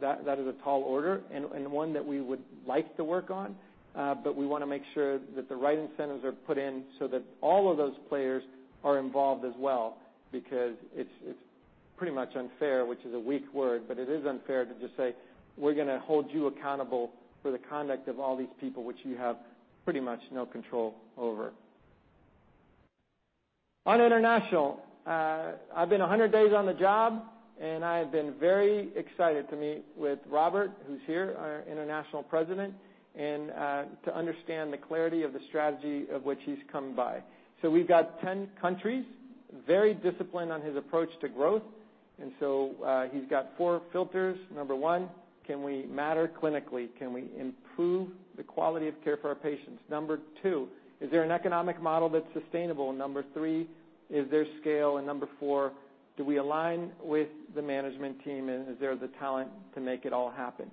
that is a tall order and one that we would like to work on. We wanna make sure that the right incentives are put in so that all of those players are involved as well, because it's pretty much unfair, which is a weak word, but it is unfair to just say, "We're gonna hold you accountable for the conduct of all these people, which you have pretty much no control over." On international, I've been 100 days on the job, and I have been very excited to meet with Robert, who's here, our international president, and to understand the clarity of the strategy of which he's come by. We've got 10 countries, very disciplined on his approach to growth. He's got four filters. Number one, can we matter clinically? Can we improve the quality of care for our patients? Number two, is there an economic model that's sustainable? Number three, is there scale? Number four, do we align with the management team, and is there the talent to make it all happen?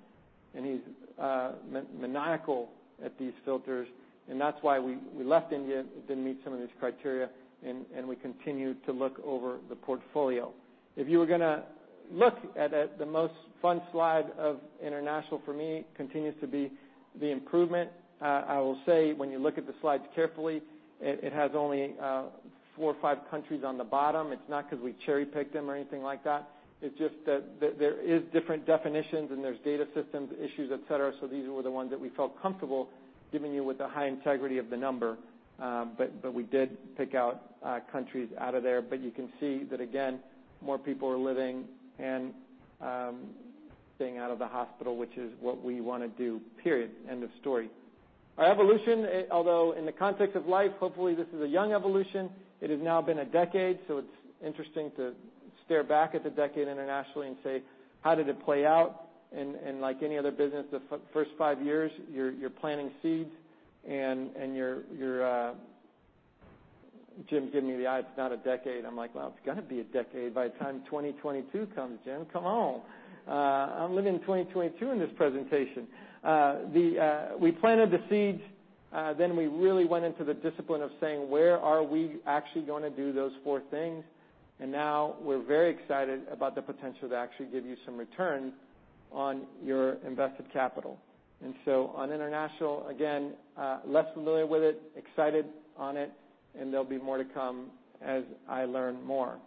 He's maniacal at these filters, and that's why we left India. It didn't meet some of these criteria, and we continue to look over the portfolio. If you were going to look at it, the most fun slide of international for me continues to be the improvement. I will say when you look at the slides carefully, it has only four or five countries on the bottom. It's not because we cherry-picked them or anything like that. It's just that there is different definitions and there's data systems issues, et cetera, so these were the ones that we felt comfortable giving you with the high integrity of the number. But we did pick out countries out of there. You can see that again, more people are living and staying out of the hospital, which is what we wanna do, period, end of story. Our evolution, although in the context of life, hopefully this is a young evolution. It has now been a decade, it's interesting to stare back at the decade internationally and say, "How did it play out?" Like any other business, the first five years, you're planting seeds and you're, Jim's giving me the eyes, "It's not a decade." I'm like, "Well, it's gonna be a decade by the time 2022 comes, Jim. Come on. I'm living in 2022 in this presentation. The, we planted the seeds, then we really went into the discipline of saying, "Where are we actually going to do those four things?" Now we're very excited about the potential to actually give you some return on your invested capital. On international, again, less familiar with it, excited on it, and there'll be more to come as I learn more.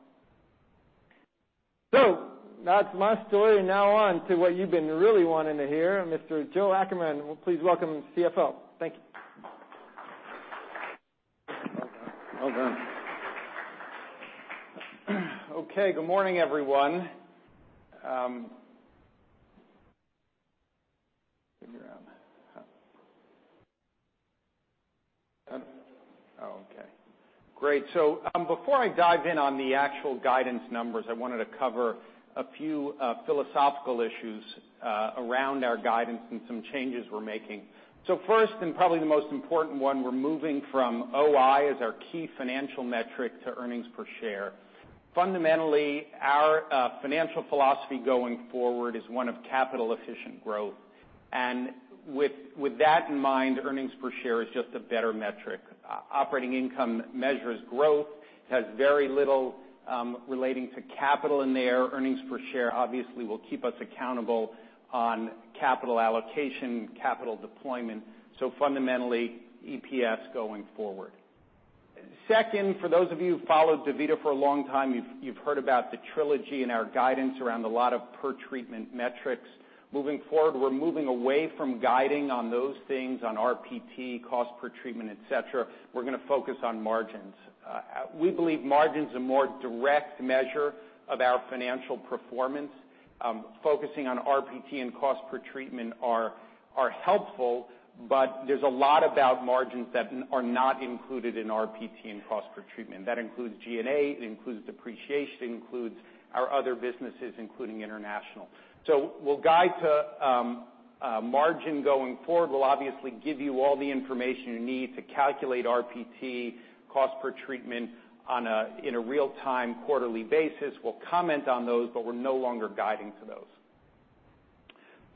That's my story. Now on to what you've been really wanting to hear, Mr. Joel Ackerman. Please welcome Chief Financial Officer. Thank you. Well done. Well done. Okay. Great. Before I dive in on the actual guidance numbers, I wanted to cover a few philosophical issues around our guidance and some changes we're making. First, and probably the most important one, we're moving from OI as our key financial metric to earnings per share. Fundamentally, our financial philosophy going forward is one of capital efficient growth. With that in mind, earnings per share is just a better metric. Operating income measures growth. It has very little relating to capital in there. Earnings per share obviously will keep us accountable on capital allocation, capital deployment, fundamentally EPS going forward. Second, for those of you who followed DaVita for a long time, you've heard about the trilogy and our guidance around a lot of per treatment metrics. Moving forward, we're moving away from guiding on those things, on RPT, cost per treatment, et cetera. We're gonna focus on margins. We believe margin's a more direct measure of our financial performance. Focusing on RPT and cost per treatment are helpful, but there's a lot about margins that are not included in RPT and cost per treatment. That includes G&A, it includes depreciation, it includes our other businesses, including international. We'll guide to margin going forward. We'll obviously give you all the information you need to calculate RPT, cost per treatment in a real-time quarterly basis. We'll comment on those, we're no longer guiding to those.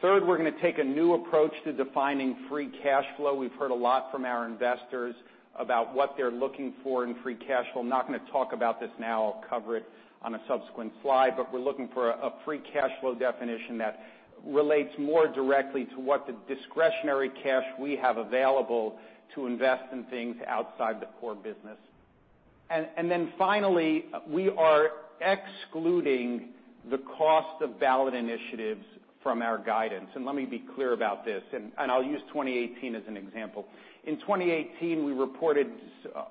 Third, we're gonna take a new approach to defining free cash flow. We've heard a lot from our investors about what they're looking for in free cash flow. I'm not gonna talk about this now. I'll cover it on a subsequent slide. We're looking for a free cash flow definition that relates more directly to what the discretionary cash we have available to invest in things outside the core business. Finally, we are excluding the cost of ballot initiatives from our guidance. Let me be clear about this. I'll use 2018 as an example. In 2018, we reported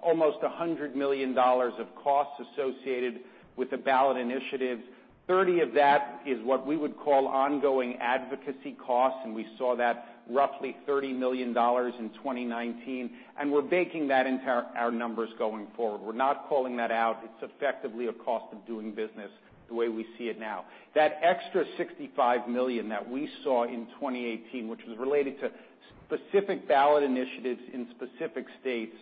almost $100 million of costs associated with the ballot initiatives. $30 million of that is what we would call ongoing advocacy costs, and we saw that roughly $30 million in 2019. We're baking that into our numbers going forward. We're not calling that out. It's effectively a cost of doing business the way we see it now. That extra $65 million that we saw in 2018, which was related to specific ballot initiatives in specific states,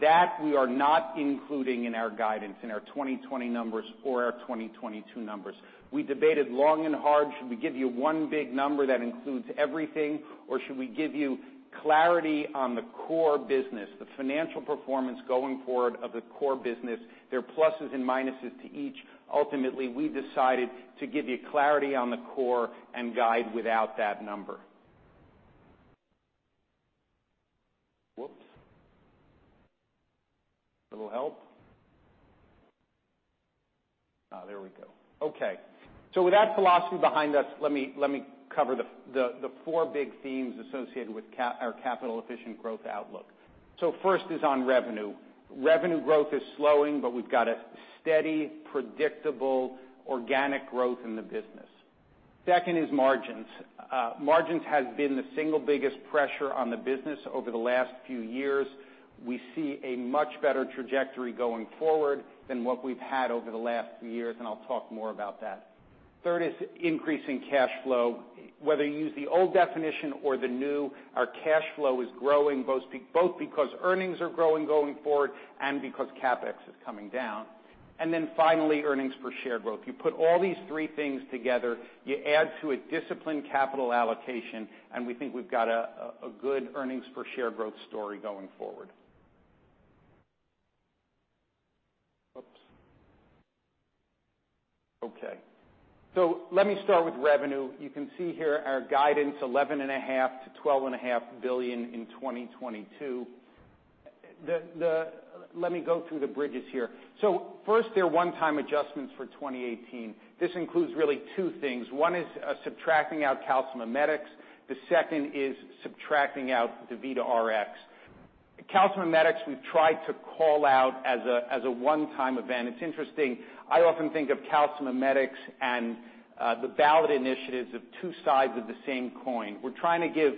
that we are not including in our guidance in our 2020 numbers or our 2022 numbers. We debated long and hard should we give you one big number that includes everything or should we give you clarity on the core business, the financial performance going forward of the core business? There are pluses and minuses to each. Ultimately, we decided to give you clarity on the core and guide without that number. Whoops. A little help. There we go. Okay. With that philosophy behind us, let me cover the four big themes associated with our capital efficient growth outlook. First is on revenue. Revenue growth is slowing. We've got a steady, predictable, organic growth in the business. Second is margins. Margins has been the single biggest pressure on the business over the last few years. We see a much better trajectory going forward than what we've had over the last few years, and I'll talk more about that. Third is increasing cash flow. Whether you use the old definition or the new, our cash flow is growing both because earnings are growing going forward and because CapEx is coming down. Finally, earnings per share growth. You put all these three things together, you add to a disciplined capital allocation, and we think we've got a good earnings per share growth story going forward. Oops. Okay. Let me start with revenue. You can see here our guidance $11.5 billion-$12.5 billion in 2022. Let me go through the bridges here. First, there are one-time adjustments for 2018. This includes really two things. One is subtracting out calcimimetics. The second is subtracting out DaVita Rx. Calcimimetics, we've tried to call out as a one-time event. It's interesting. I often think of calcimimetics and the ballot initiatives of two sides of the same coin. We're trying to give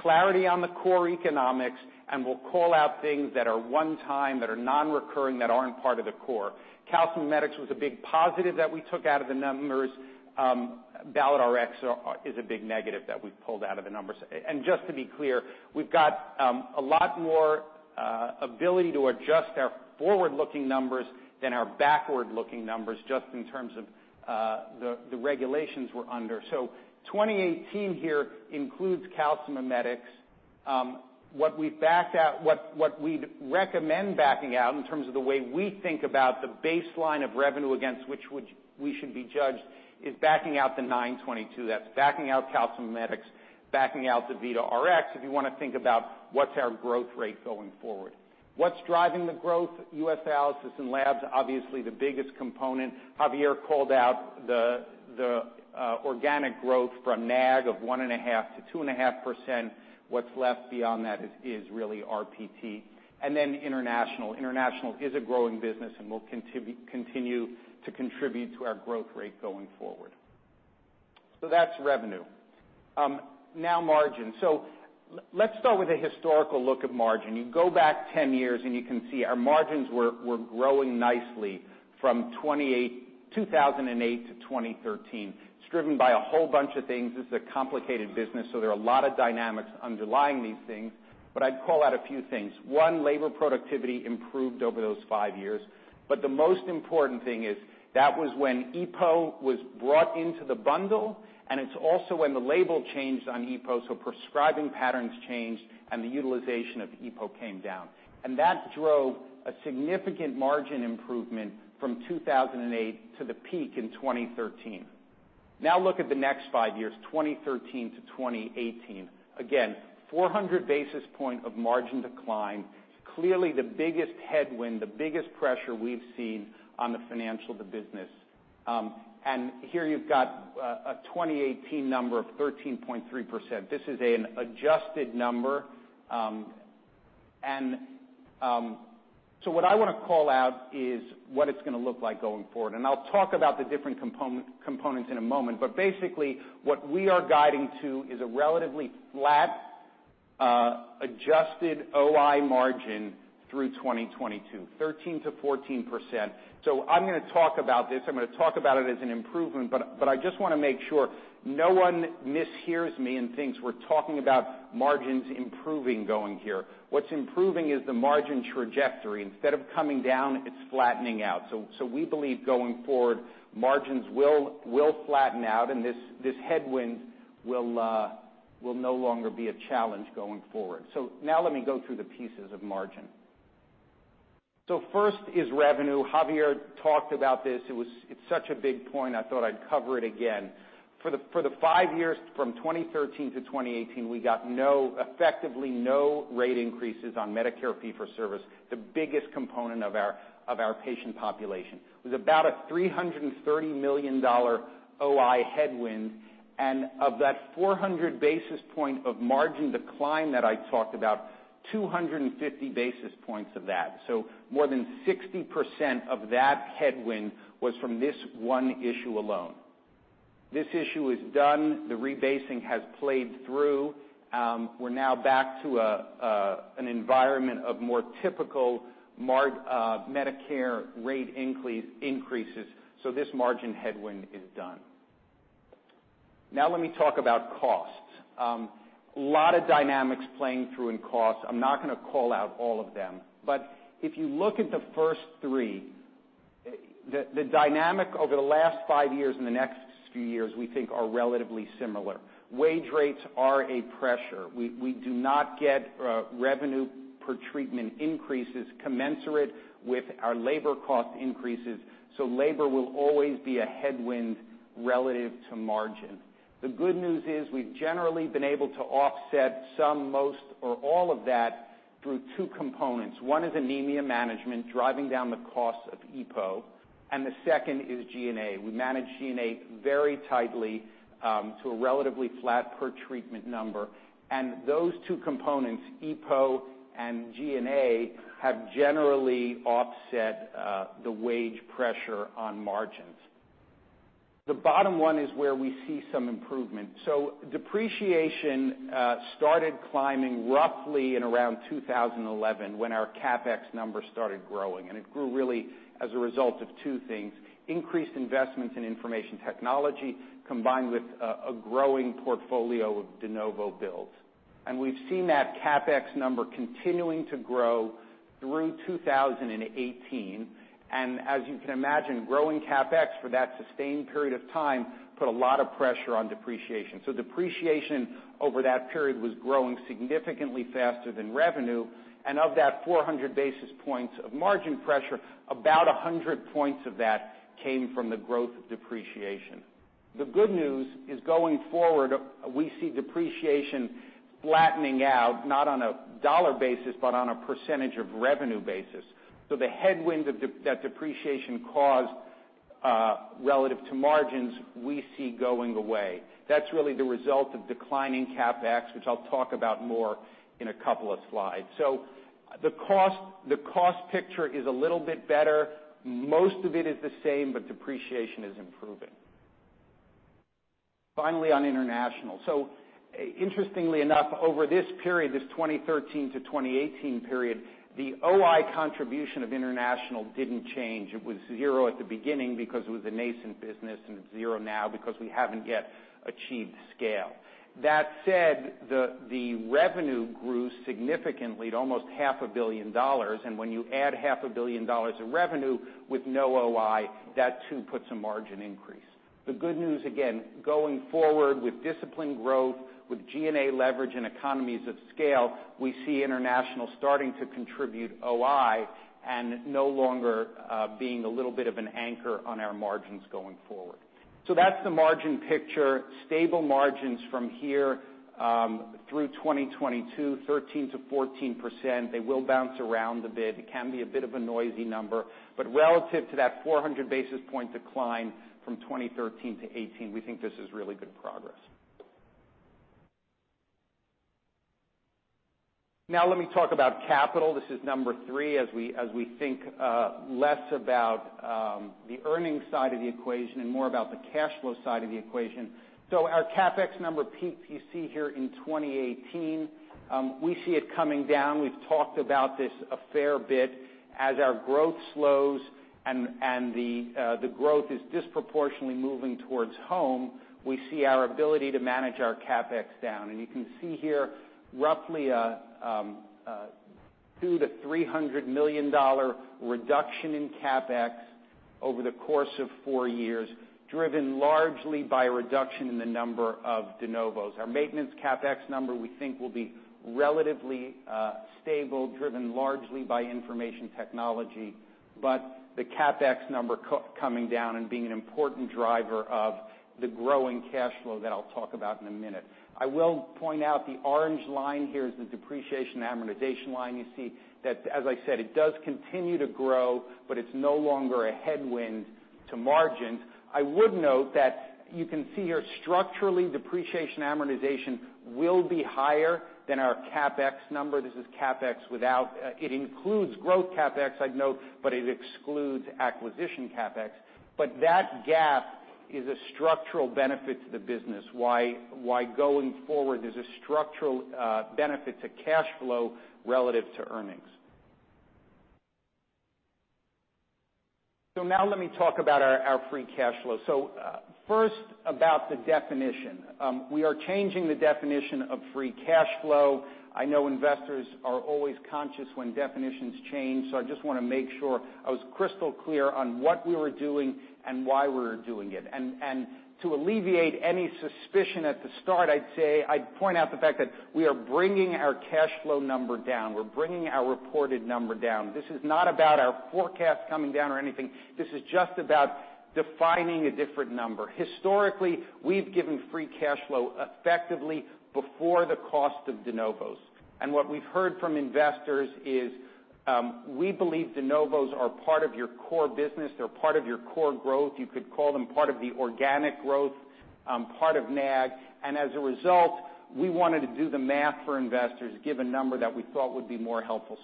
clarity on the core economics, we'll call out things that are one-time, that are non-recurring, that aren't part of the core. Calcimimetics was a big positive that we took out of the numbers. DaVita Rx is a big negative that we've pulled out of the numbers. Just to be clear, we've got a lot more ability to adjust our forward-looking numbers than our backward-looking numbers just in terms of the regulations we're under. 2018 here includes calcimimetics. What we'd recommend backing out in terms of the way we think about the baseline of revenue against which we should be judged is backing out the $922. That's backing out calcimimetics, backing out DaVita Rx if you want to think about what's our growth rate going forward. What's driving the growth? U.S. dialysis and labs, obviously the biggest component. Javier called out the organic growth from NAG of 1.5%-2.5%. What's left beyond that is really RPT. Then international. International is a growing business and will continue to contribute to our growth rate going forward. That's revenue. Now margin. Let's start with a historical look of margin. You go back 10 years, you can see our margins were growing nicely from 2008 to 2013. It's driven by a whole bunch of things. This is a complicated business, there are a lot of dynamics underlying these things, I'd call out a few things. One, labor productivity improved over those five years. The most important thing is that was when EPO was brought into the bundle, it's also when the label changed on EPO, prescribing patterns changed the utilization of EPO came down. That drove a significant margin improvement from 2008 to the peak in 2013. Now look at the next five years, 2013 to 2018. Again, 400 basis point of margin decline. Clearly the biggest headwind, the biggest pressure we've seen on the financial of the business. Here you've got a 2018 number of 13.3%. This is an adjusted number. What I wanna call out is what it's gonna look like going forward, and I'll talk about the different components in a moment. Basically, what we are guiding to is a relatively flat adjusted OI margin through 2022, 13%-14%. I'm gonna talk about this. I'm gonna talk about it as an improvement, but I just wanna make sure no one mishears me and thinks we're talking about margins improving going here. What's improving is the margin trajectory. Instead of coming down, it's flattening out. We believe going forward, margins will flatten out, and this headwind will no longer be a challenge going forward. Now let me go through the pieces of margin. First is revenue. Javier talked about this. It's such a big point, I thought I'd cover it again. For the five years from 2013 to 2018, we got no, effectively no rate increases on Medicare fee for service, the biggest component of our patient population. It was about a $330 million OI headwind, and of that 400 basis point of margin decline that I talked about, 250 basis points of that. More than 60% of that headwind was from this one issue alone. This issue is done. The rebasing has played through. We're now back to an environment of more typical Medicare rate increases, so this margin headwind is done. Now let me talk about costs. A lot of dynamics playing through in costs. I'm not gonna call out all of them. If you look at the first three, the dynamic over the last five years and the next few years, we think are relatively similar. Wage rates are a pressure. We do not get revenue per treatment increases commensurate with our labor cost increases, so labor will always be a headwind relative to margin. The good news is we've generally been able to offset some, most, or all of that through two components. One is anemia management, driving down the cost of EPO, and the second is G&A. We manage G&A very tightly to a relatively flat per treatment number. Those two components, EPO and G&A, have generally offset the wage pressure on margins. The bottom one is where we see some improvement. Depreciation started climbing roughly in around 2011 when our CapEx numbers started growing, and it grew really as a result of two things: increased investments in information technology combined with a growing portfolio of de novo builds. We've seen that CapEx number continuing to grow through 2018. As you can imagine, growing CapEx for that sustained period of time put a lot of pressure on depreciation. Depreciation over that period was growing significantly faster than revenue. Of that 400 basis points of margin pressure, about 100 points of that came from the growth of depreciation. The good news is, going forward, we see depreciation flattening out, not on a dollar basis, but on a percentage of revenue basis. The headwind that depreciation caused, relative to margins, we see going away. That's really the result of declining CapEx, which I'll talk about more in a couple of slides. The cost picture is a little bit better. Most of it is the same, depreciation is improving. Finally, on international. Interestingly enough, over this period, this 2013 to 2018 period, the OI contribution of international didn't change. It was zero at the beginning because it was a nascent business, and it's zero now because we haven't yet achieved scale. That said, the revenue grew significantly at almost $500 million. When you add $500 million of revenue with no OI, that too puts a margin increase. The good news, again, going forward with disciplined growth, with G&A leverage and economies of scale, we see international starting to contribute OI and no longer being a little bit of an anchor on our margins going forward. That's the margin picture. Stable margins from here, through 2022, 13%-14%. They will bounce around a bit. It can be a bit of a noisy number. Relative to that 400 basis point decline from 2013-2018, we think this is really good progress. Let me talk about capital. This is number three as we think less about the earnings side of the equation and more about the cash flow side of the equation. Our CapEx number peak you see here in 2018, we see it coming down. We've talked about this a fair bit. As our growth slows and the growth is disproportionately moving towards home, we see our ability to manage our CapEx down. You can see here roughly a $200 million-$300 million reduction in CapEx over the course of four years, driven largely by a reduction in the number of de novos. Our maintenance CapEx number, we think will be relatively stable, driven largely by information technology. The CapEx number coming down and being an important driver of the growing cash flow that I'll talk about in a minute. I will point out the orange line here is the depreciation amortization line. You see that, as I said, it does continue to grow, it's no longer a headwind to margins. I would note that you can see here, structurally, depreciation amortization will be higher than our CapEx number. This is CapEx. It includes growth CapEx, I'd note, it excludes acquisition CapEx. That gap is a structural benefit to the business. Why going forward, there's a structural benefit to cash flow relative to earnings. Now let me talk about our free cash flow. First, about the definition. We are changing the definition of free cash flow. I know investors are always conscious when definitions change, I just wanna make sure I was crystal clear on what we were doing and why we were doing it. To alleviate any suspicion at the start, I'd point out the fact that we are bringing our cash flow number down. We're bringing our reported number down. This is not about our forecast coming down or anything. This is just about defining a different number. Historically, we've given free cash flow effectively before the cost of de novos. What we've heard from investors is, we believe de novos are part of your core business. They're part of your core growth. You could call them part of the organic growth, part of NAG. As a result, we wanted to do the math for investors, give a number that we thought would be more helpful.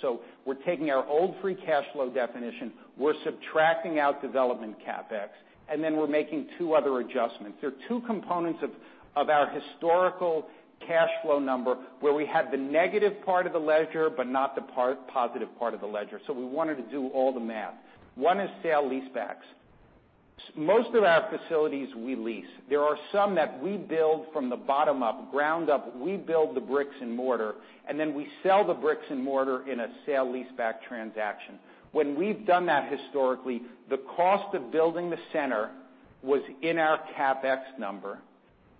We're taking our old free cash flow definition, we're subtracting out development CapEx, we're making two other adjustments. There are two components of our historical cash flow number where we have the negative part of the ledger but not the positive part of the ledger. We wanted to do all the math. One is sale leasebacks. Most of our facilities we lease. There are some that we build from the bottom up, ground up. We build the bricks and mortar, and then we sell the bricks and mortar in a sale leaseback transaction. When we've done that historically, the cost of building the center was in our CapEx number,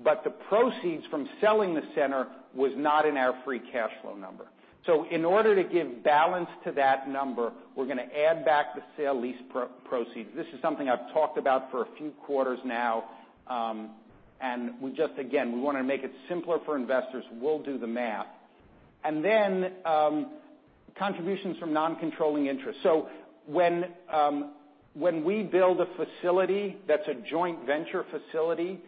but the proceeds from selling the center was not in our free cash flow number. In order to give balance to that number, we're gonna add back the sale lease proceeds. This is something I've talked about for a few quarters now, we just, again, we wanna make it simpler for investors. We'll do the math. Contributions from non-controlling interests. When we build a facility that's a joint venture facility,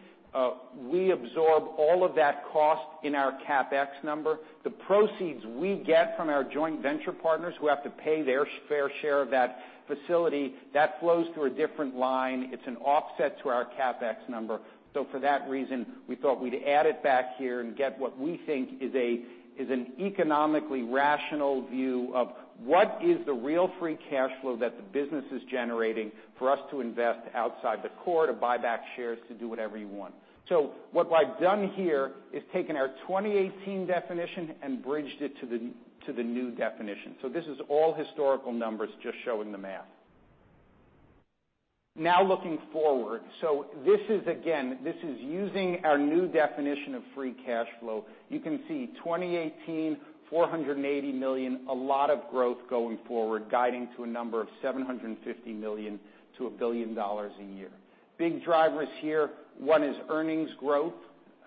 we absorb all of that cost in our CapEx number. The proceeds we get from our joint venture partners, who have to pay their fair share of that facility that flows through a different line. It's an offset to our CapEx number. For that reason, we thought we'd add it back here and get what we think is an economically rational view of what is the real free cash flow that the business is generating for us to invest outside the core, to buy back shares, to do whatever you want. What I've done here is taken our 2018 definition and bridged it to the new definition. This is all historical numbers just showing the math. Now looking forward. This is again, this is using our new definition of free cash flow. You can see 2018, $480 million, a lot of growth going forward, guiding to a number of $750 million-$1 billion a year. Big drivers here. One is earnings growth.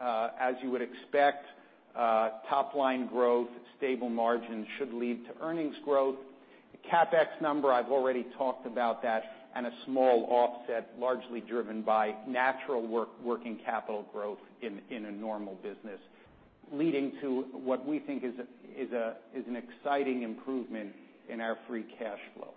As you would expect, top line growth, stable margin should lead to earnings growth. The CapEx number, I've already talked about that, and a small offset largely driven by natural working capital growth in a normal business, leading to what we think is an exciting improvement in our free cash flow.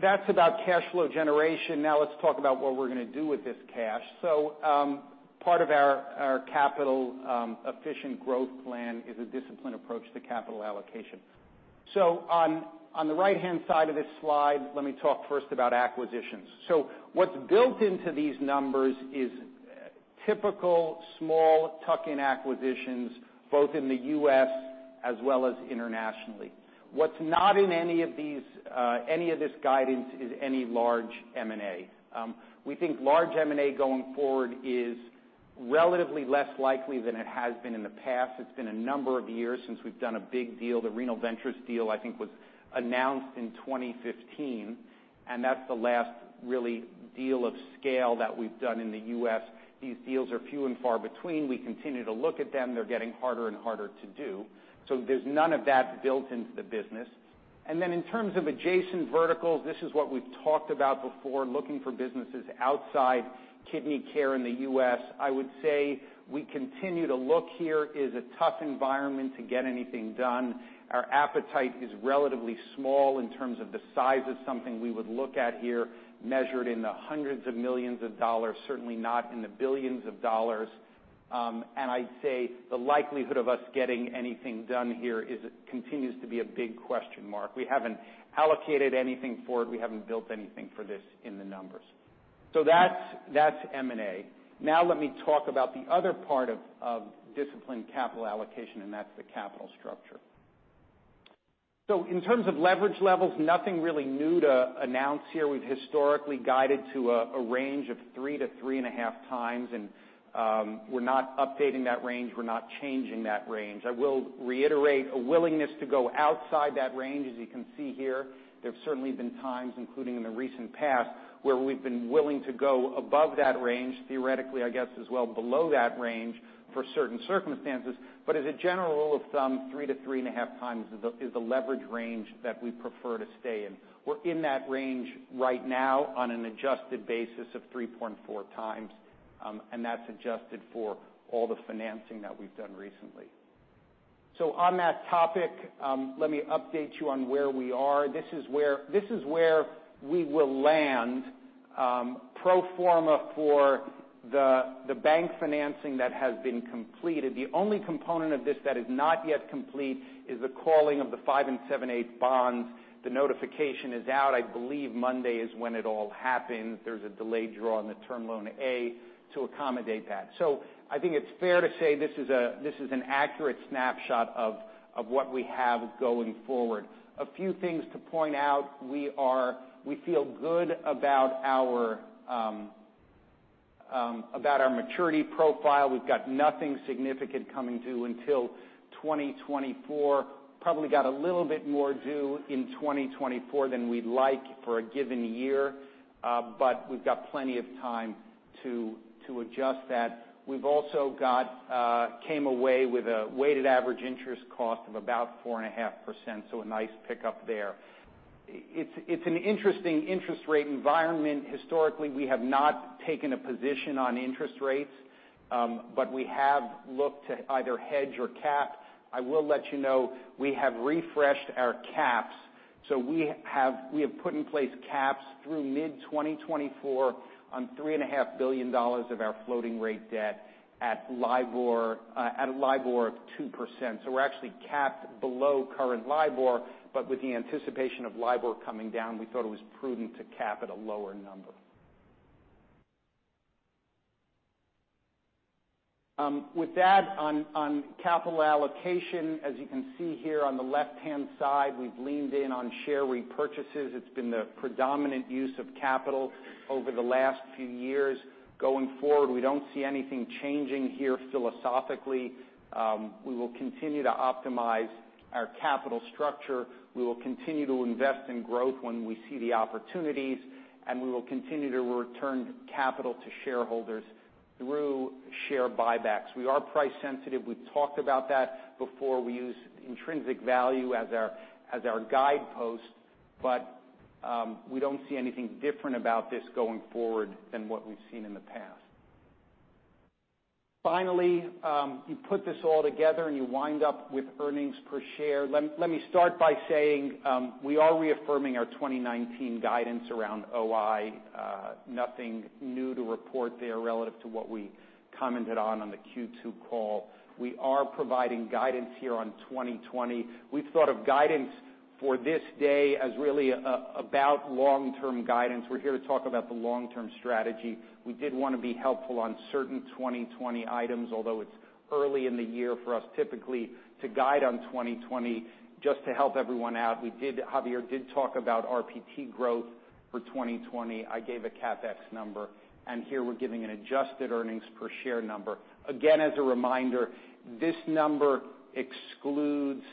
That's about cash flow generation. Now let's talk about what we're going to do with this cash. Part of our capital efficient growth plan is a disciplined approach to capital allocation. On the right-hand side of this slide, let me talk first about acquisitions. What's built into these numbers is typical small tuck-in acquisitions, both in the U.S. as well as internationally. What's not in any of these, any of this guidance is any large M&A. We think large M&A going forward is relatively less likely than it has been in the past. It's been a number of years since we've done a big deal. The Renal Ventures deal, I think, was announced in 2015, and that's the last really deal of scale that we've done in the U.S. These deals are few and far between. We continue to look at them. They're getting harder and harder to do. There's none of that built into the business. In terms of adjacent verticals, this is what we've talked about before, looking for businesses outside kidney care in the U.S. I would say we continue to look here. It is a tough environment to get anything done. Our appetite is relatively small in terms of the size of something we would look at here, measured in the hundreds of millions of dollars, certainly not in the billions of dollars. And I'd say the likelihood of us getting anything done here continues to be a big question mark. We haven't allocated anything for it. We haven't built anything for this in the numbers. That's, that's M&A. Let me talk about the other part of disciplined capital allocation, and that's the capital structure. In terms of leverage levels, nothing really new to announce here. We've historically guided to a range of three to 3.5 times. We're not updating that range. We're not changing that range. I will reiterate a willingness to go outside that range. As you can see here, there have certainly been times, including in the recent past, where we've been willing to go above that range, theoretically, I guess, as well below that range for certain circumstances. As a general rule of thumb, three to 3.5 times is the leverage range that we prefer to stay in. We're in that range right now on an adjusted basis of 3.4 times. That's adjusted for all the financing that we've done recently. On that topic, let me update you on where we are. This is where we will land, pro forma for the bank financing that has been completed. The only component of this that is not yet complete is the calling of the five and seven/eight bonds. The notification is out. I believe Monday is when it all happens. There's a delayed draw on the term loan A to accommodate that. I think it's fair to say this is an accurate snapshot of what we have going forward. A few things to point out. We feel good about our maturity profile. We've got nothing significant coming due until 2024. Probably got a little bit more due in 2024 than we'd like for a given year, we've got plenty of time to adjust that. We've also got, came away with a weighted average interest cost of about 4.5%, so a nice pickup there. It's an interesting interest rate environment. Historically, we have not taken a position on interest rates, but we have looked to either hedge or cap. I will let you know we have refreshed our caps, so we have put in place caps through mid-2024 on $3.5 billion of our floating rate debt at LIBOR, at a LIBOR of 2%. We're actually capped below current LIBOR, but with the anticipation of LIBOR coming down, we thought it was prudent to cap at a lower number. With that on capital allocation, as you can see here on the left-hand side, we've leaned in on share repurchases. It's been the predominant use of capital over the last few years. Going forward, we don't see anything changing here philosophically. We will continue to optimize our capital structure. We will continue to invest in growth when we see the opportunities, and we will continue to return capital to shareholders through share buybacks. We are price sensitive. We've talked about that before. We use intrinsic value as our, as our guidepost, but we don't see anything different about this going forward than what we've seen in the past. Finally, you put this all together and you wind up with earnings per share. Let me start by saying, we are reaffirming our 2019 guidance around OI. Nothing new to report there relative to what we commented on the Q2 call. We are providing guidance here on 2020. We've thought of guidance for this day as really about long-term guidance. We're here to talk about the long-term strategy. We did wanna be helpful on certain 2020 items, although it's early in the year for us typically to guide on 2020. Just to help everyone out, Javier did talk about RPT growth for 2020. I gave a CapEx number, and here we're giving an adjusted earnings per share number. Again, as a reminder, this number excludes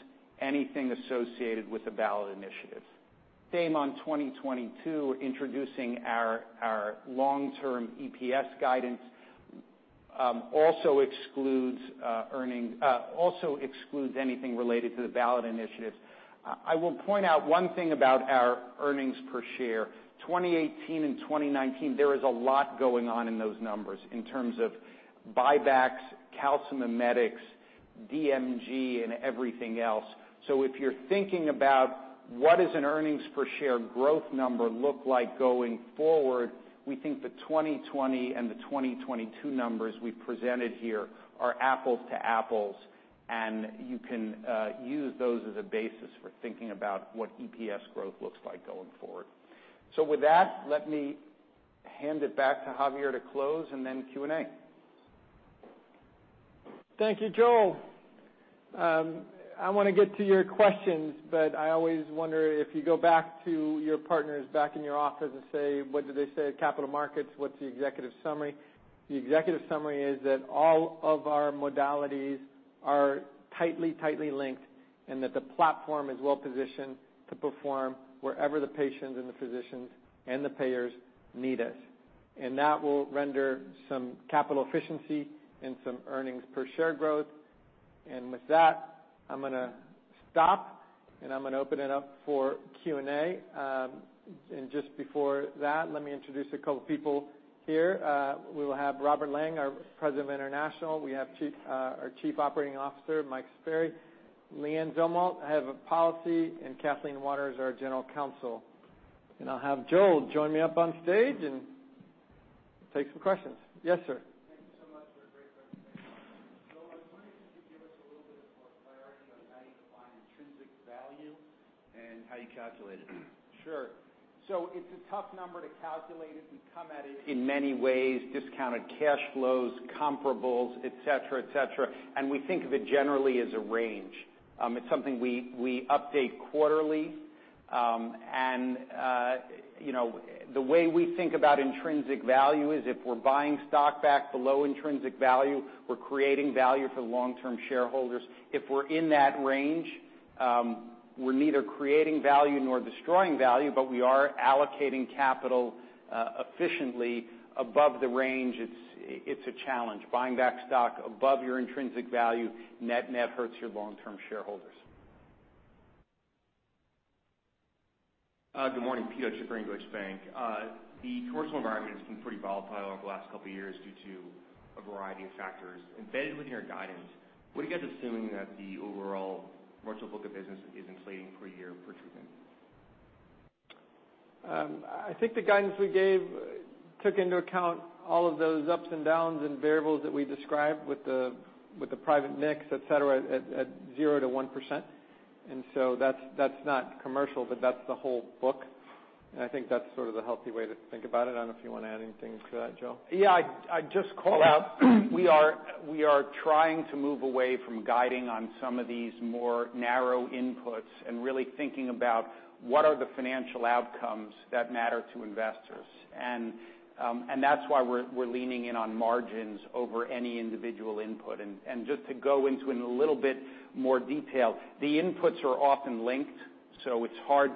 anything associated with the ballot initiatives. Same on 2022, introducing our long-term EPS guidance, also excludes anything related to the ballot initiatives. I will point out one thing about our earnings per share. 2018 and 2019, there is a lot going on in those numbers in terms of buybacks, calcimimetics, DMG, and everything else. If you're thinking about what does an earnings per share growth number look like going forward, we think the 2020 and the 2022 numbers we've presented here are apples to apples, and you can use those as a basis for thinking about what EPS growth looks like going forward. With that, let me hand it back to Javier to close and then Q&A. Thank you, Joel. I want to get to your questions, but I always wonder if you go back to your partners back in your office and say, "What did they say at Capital Markets? What is the executive summary?" The executive summary is that all of our modalities are tightly linked, and that the platform is well-positioned to perform wherever the patients and the physicians and the payers need us. That will render some capital efficiency and some earnings per share growth. With that, I am going to stop, and I am going to open it up for Q&A. Just before that, let me introduce a couple people here. We will have Robert Lang, our President of International. We have our Chief Operating Officer, Mike Staffieri. LeAnne Zumwalt, Head of Policy, and Kathleen Waters, our General Counsel. I'll have Joel join me up on stage and take some questions. Yes, sir. Thank you so much for a great presentation. Joel, I was wondering if you could give us a little bit more clarity on how you define intrinsic value and how you calculate it. Sure. It's a tough number to calculate. We come at it in many ways, discounted cash flows, comparables, et cetera, et cetera. We think of it generally as a range. It's something we update quarterly. You know, the way we think about intrinsic value is if we're buying stock back below intrinsic value, we're creating value for the long-term shareholders. If we're in that range, we're neither creating value nor destroying value, but we are allocating capital efficiently above the range. It's a challenge. Buying back stock above your intrinsic value net hurts your long-term shareholders. Good morning. Peter Bank of America. The commercial environment has been pretty volatile over the last couple of years due to a variety of factors. Embedded within your guidance, what are you guys assuming that the overall commercial book of business is inflating per year for Truven? I think the guidance we gave took into account all of those ups and downs and variables that we described with the private mix, et cetera, at 0%-1%. That's not commercial, but that's the whole book. I think that's sort of the healthy way to think about it. I don't know if you wanna add anything to that, Joel. Yeah, I'd just call out we are trying to move away from guiding on some of these more narrow inputs and really thinking about what are the financial outcomes that matter to investors. That's why we're leaning in on margins over any individual input. Just to go into a little bit more detail, the inputs are often linked, so it's hard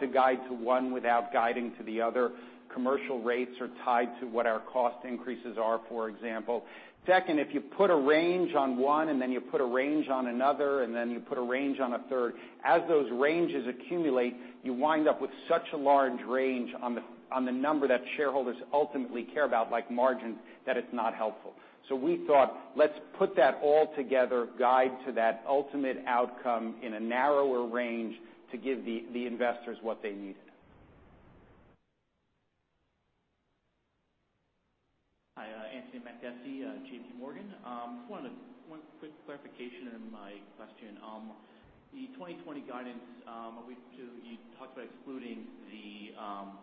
to guide to one without guiding to the other. Commercial rates are tied to what our cost increases are, for example. Second, if you put a range on one, and then you put a range on another, and then you put a range on a third, as those ranges accumulate, you wind up with such a large range on the number that shareholders ultimately care about, like margin, that it's not helpful. We thought, let's put that all together, guide to that ultimate outcome in a narrower range to give the investors what they needed. Hi, Anthony Mackessy, JP Morgan. Just wanted one quick clarification in my question. The 2020 guidance, a week or two ago, you talked about excluding the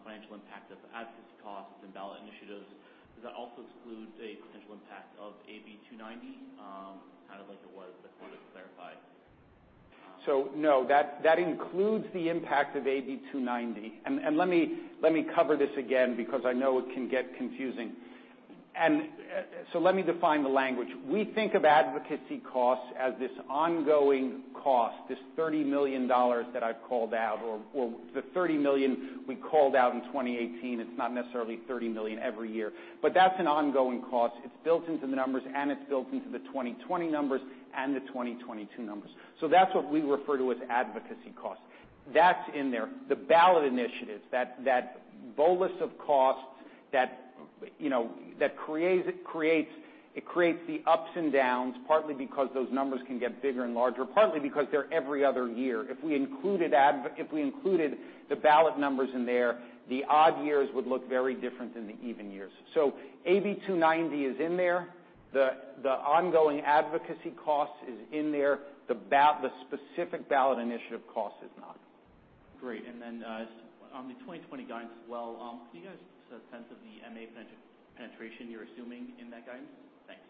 financial impact of advocacy costs and ballot initiatives. Does that also exclude a potential impact of Assembly Bill 290, kind of like it was, but sort of clarify? No. That includes the impact of Assembly Bill 290. Let me cover this again because I know it can get confusing. Let me define the language. We think of advocacy costs as this ongoing cost, this $30 million that I've called out or the $30 million we called out in 2018. It's not necessarily $30 million every year, but that's an ongoing cost. It's built into the numbers, and it's built into the 2020 numbers and the 2022 numbers. That's what we refer to as advocacy costs. That's in there. The ballot initiatives, that bolus of costs that, you know, that creates the ups and downs, partly because those numbers can get bigger and larger, partly because they're every other year. If we included the ballot numbers in there, the odd years would look very different than the even years. Assembly Bill 290 is in there. The ongoing advocacy cost is in there. The specific ballot initiative cost is not. Great. On the 2020 guidance as well, can you guys give us a sense of the MA penetration you're assuming in that guidance? Thanks.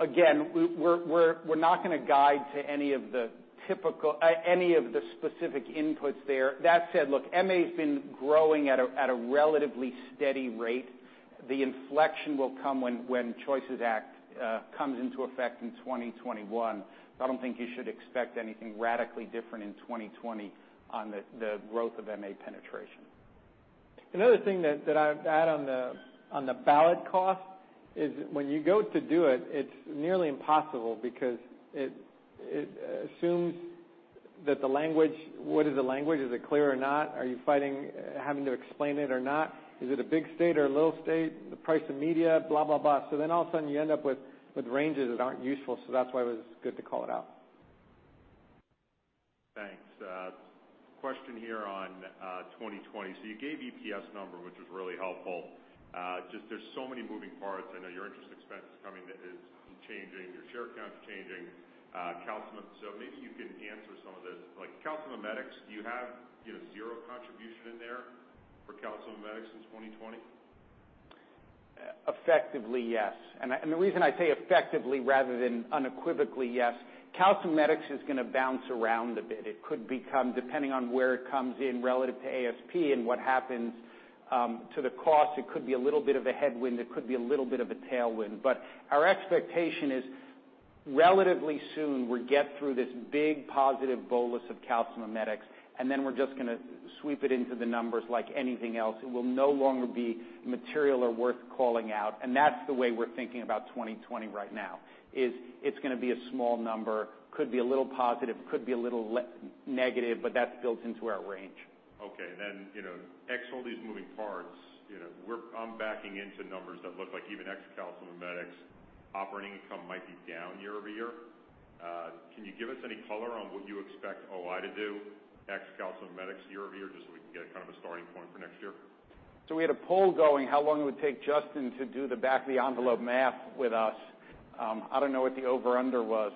Again, we're not gonna guide to any of the specific inputs there. That said, look, MA has been growing at a relatively steady rate. The inflection will come when ESRD Choice Act comes into effect in 2021. I don't think you should expect anything radically different in 2020 on the growth of MA penetration. Another thing that I'd add on the ballot cost is when you go to do it's nearly impossible because it assumes that the language What is the language? Is it clear or not? Are you fighting having to explain it or not? Is it a big state or a little state? The price of media, blah, blah. All of a sudden you end up with ranges that aren't useful. That's why it was good to call it out. Thanks. Question here on 2020. You gave EPS number, which was really helpful. Just there's so many moving parts. I know your interest expense coming is changing, your share count's changing. Maybe you can answer some of this. Like, calcimimetics, do you have, you know, zero contribution in there for calcimimetics in 2020? Effectively, yes. The reason I say effectively rather than unequivocally yes, calcimimetics is gonna bounce around a bit. It could become, depending on where it comes in relative to ASP and what happens to the cost, it could be a little bit of a headwind, it could be a little bit of a tailwind. Our expectation is relatively soon, we get through this big positive bolus of calcimimetics, and then we're just gonna sweep it into the numbers like anything else. It will no longer be material or worth calling out, that's the way we're thinking about 2020 right now, is it's gonna be a small number. Could be a little positive, could be a little negative, that's built into our range. Okay. Then, you know, x all these moving parts, you know, I'm backing into numbers that look like even ex calcimimetics operating income might be down YoY. Can you give us any color on what you expect OI to do, ex calcimimetics YoY, just so we can get kind of a starting point for next year? We had a poll going, how long it would take Justin to do the back of the envelope math with us. I don't know what the over-under was,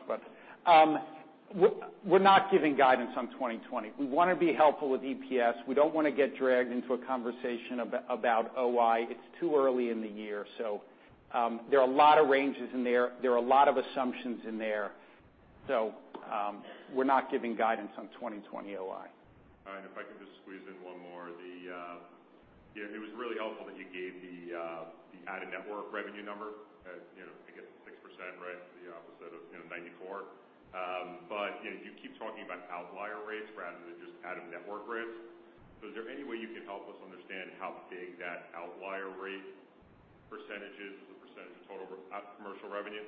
we're not giving guidance on 2020. We wanna be helpful with EPS. We don't wanna get dragged into a conversation about OI. It's too early in the year, there are a lot of ranges in there. There are a lot of assumptions in there. We're not giving guidance on 2020 OI. All right. If I could just squeeze in one more. The, you know, it was really helpful that you gave the out-of-network revenue number as, you know, I think it's 6%, right? The opposite of, you know, 94%. You know, you keep talking about outlier rates rather than just out-of-network rates. Is there any way you can help us understand how big that outlier rate percentage is as a percentage of total commercial revenue?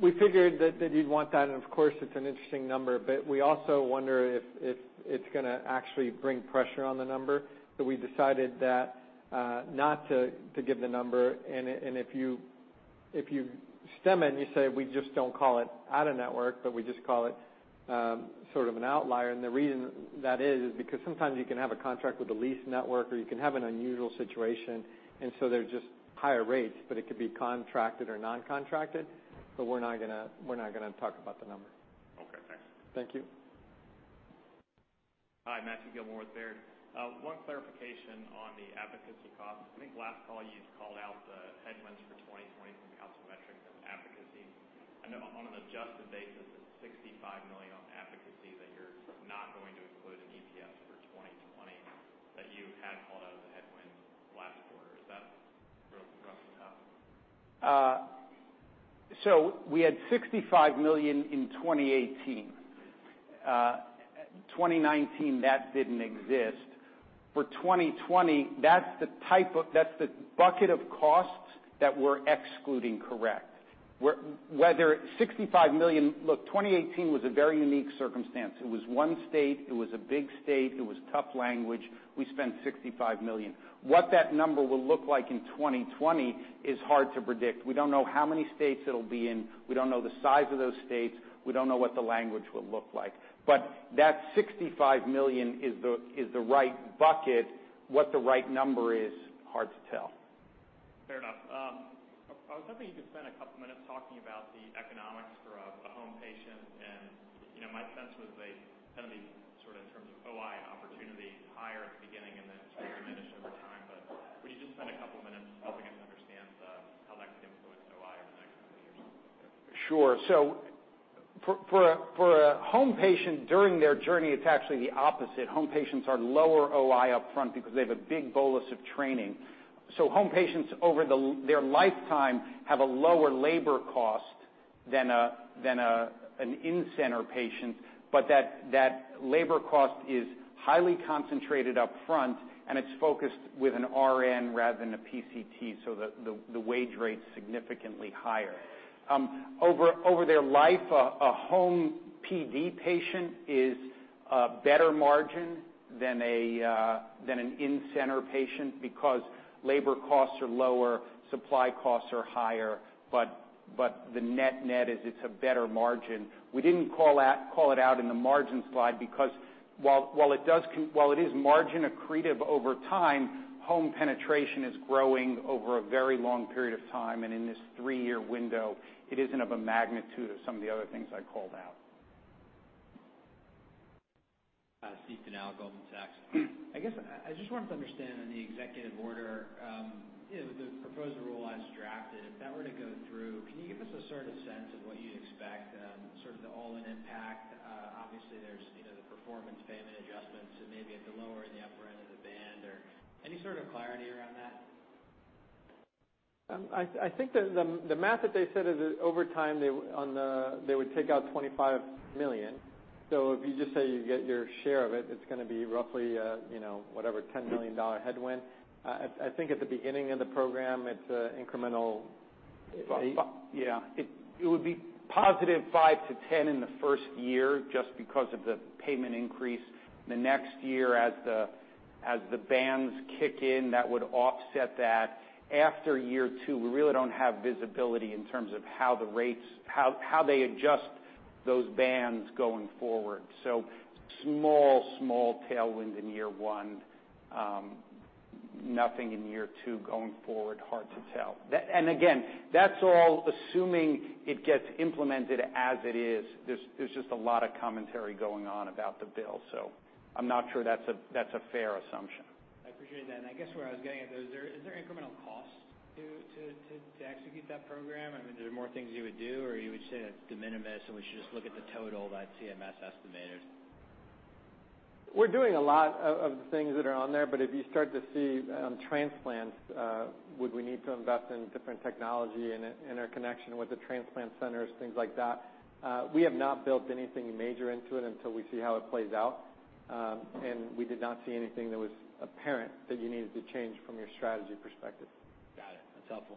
We figured that you'd want that, and of course, it's an interesting number. We also wonder if it's gonna actually bring pressure on the number. We decided that not to give the number. If you stem it and you say, we just don't call it out-of-network, but we just call it sort of an outlier. The reason that is because sometimes you can have a contract with a leased network or you can have an unusual situation. They're just higher rates, but it could be contracted or non-contracted, but we're not gonna talk about the number. Okay, thanks. Thank you. Hi, Matthew Gillmor with Baird. One clarification on the advocacy costs. I think last call you called out the headwinds for 2020 from calcimimetics and advocacy. I know on an adjusted basis, it's $65 million on advocacy that you're not going to include in EPS for 2020, that you had called out as a headwind last quarter. Is that real roughly about? We had $65 million in 2018. 2019, that didn't exist. For 2020, that's the bucket of costs that we're excluding, correct. Look, 2018 was a very unique circumstance. It was one state, it was a big state, it was tough language. We spent $65 million. What that number will look like in 2020 is hard to predict. We don't know how many states it'll be in. We don't know the size of those states. We don't know what the language will look like. That $65 million is the right bucket. What the right number is, hard to tell. Fair enough. I was hoping you could spend a couple minutes talking about the economics for a home patient. You know, my sense was they tend to be sort of in terms of OI an opportunity higher at the beginning and then sort of diminish over time. Would you just spend a couple minutes helping us understand how that could influence OI over the next couple years? Sure. For a home patient during their journey, it's actually the opposite. Home patients are lower OI up front because they have a big bolus of training. Home patients over their lifetime have a lower labor cost than an in-center patient, but that labor cost is highly concentrated up front and it's focused with an RN rather than a PCT, so the wage rate's significantly higher. Over their life, a home PD patient is a better margin than an in-center patient because labor costs are lower, supply costs are higher, but the net-net is it's a better margin. We didn't call it out in the margin slide because while it is margin accretive over time, home penetration is growing over a very long period of time. In this three-year window, it isn't of a magnitude of some of the other things I called out. Stephen Tanal, Goldman Sachs. I guess I just wanted to understand on the executive order, you know, the proposed rule as drafted, if that were to go through, can you give us a sort of sense of what you'd expect, sort of the all-in impact? Obviously there's, you know, the performance payment adjustments and maybe at the lower and the upper end of the band or any sort of clarity around that? I think the math that they said is that over time they would take out $25 million. If you just say you get your share of it is gonna be roughly, you know, whatever $10 million headwind. I think at the beginning of the program. Yeah. It would be positive 5-10 in the first year just because of the payment increase. The next year as the bands kick in, that would offset that. After year two, we really don't have visibility in terms of how they adjust those bands going forward. Small tailwind in year one. Nothing in year two going forward, hard to tell. Again, that's all assuming it gets implemented as it is. There's just a lot of commentary going on about the bill, so I'm not sure that's a fair assumption. I appreciate that. I guess where I was getting at though, is there incremental cost to execute that program? I mean, are there more things you would do or you would say that's de minimis and we should just look at the total that CMS estimated? We're doing a lot of the things that are on there. If you start to see transplants, would we need to invest in different technology and in our connection with the transplant centers, things like that? We have not built anything major into it until we see how it plays out. We did not see anything that was apparent that you needed to change from your strategy perspective. Got it. That's helpful.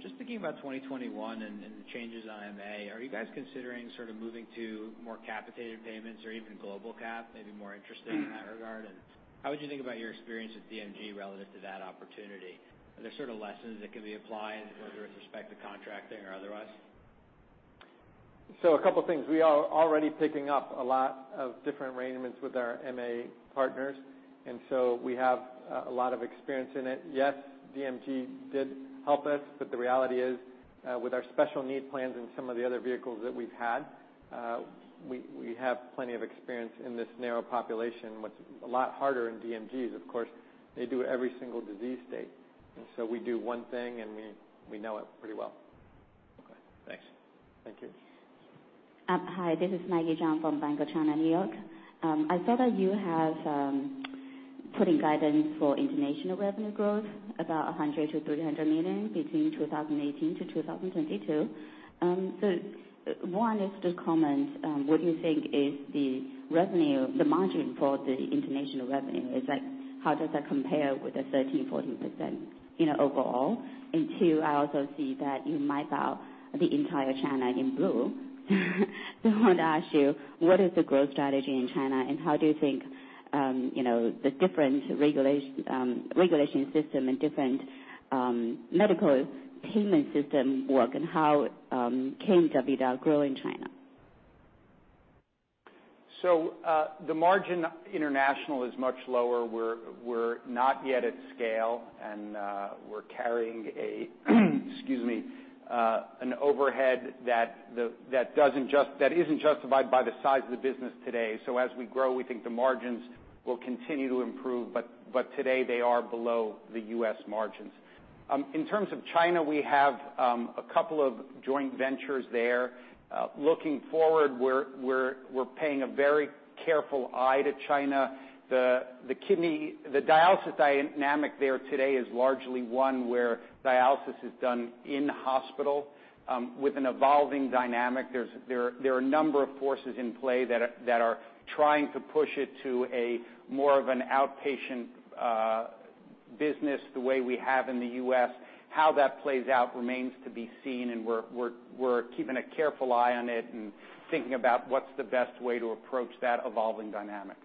Just thinking about 2021 and the changes on MA, are you guys considering sort of moving to more capitated payments or even global cap, maybe more interested in that regard? How would you think about your experience with DMG relative to that opportunity? Are there sort of lessons that can be applied whether with respect to contracting or otherwise? A couple things. We are already picking up a lot of different arrangements with our MA partners, we have a lot of experience in it. Yes, DMG did help us, the reality is with our Special Needs Plans and some of the other vehicles that we've had, we have plenty of experience in this narrow population, what's a lot harder in DMG's, of course, they do every single disease state. We do one thing and we know it pretty well. Okay, thanks. Thank you. Hi, this is Maggie Jiang from Bank of China, New York. I saw that you have putting guidance for international revenue growth about $100 million-$300 million between 2018-2022. One is to comment, what do you think is the revenue, the margin for the international revenue? How does that compare with the 13%-14%, you know, overall? Two, I also see that you map out the entire China in blue. I want to ask you, what is the growth strategy in China, and how do you think, you know, the different regulation system and different medical payment system work and how can DaVita grow in China? The margin international is much lower. We're not yet at scale and we're carrying a, excuse me, an overhead that isn't justified by the size of the business today. As we grow, we think the margins will continue to improve, but today they are below the U.S. margins. In terms of China, we have a couple of joint ventures there. Looking forward, we're paying a very careful eye to China. The dialysis dynamic there today is largely one where dialysis is done in-hospital with an evolving dynamic. There are a number of forces in play that are trying to push it to a more of an outpatient business the way we have in the U.S. How that plays out remains to be seen and we're keeping a careful eye on it and thinking about what's the best way to approach that evolving dynamic.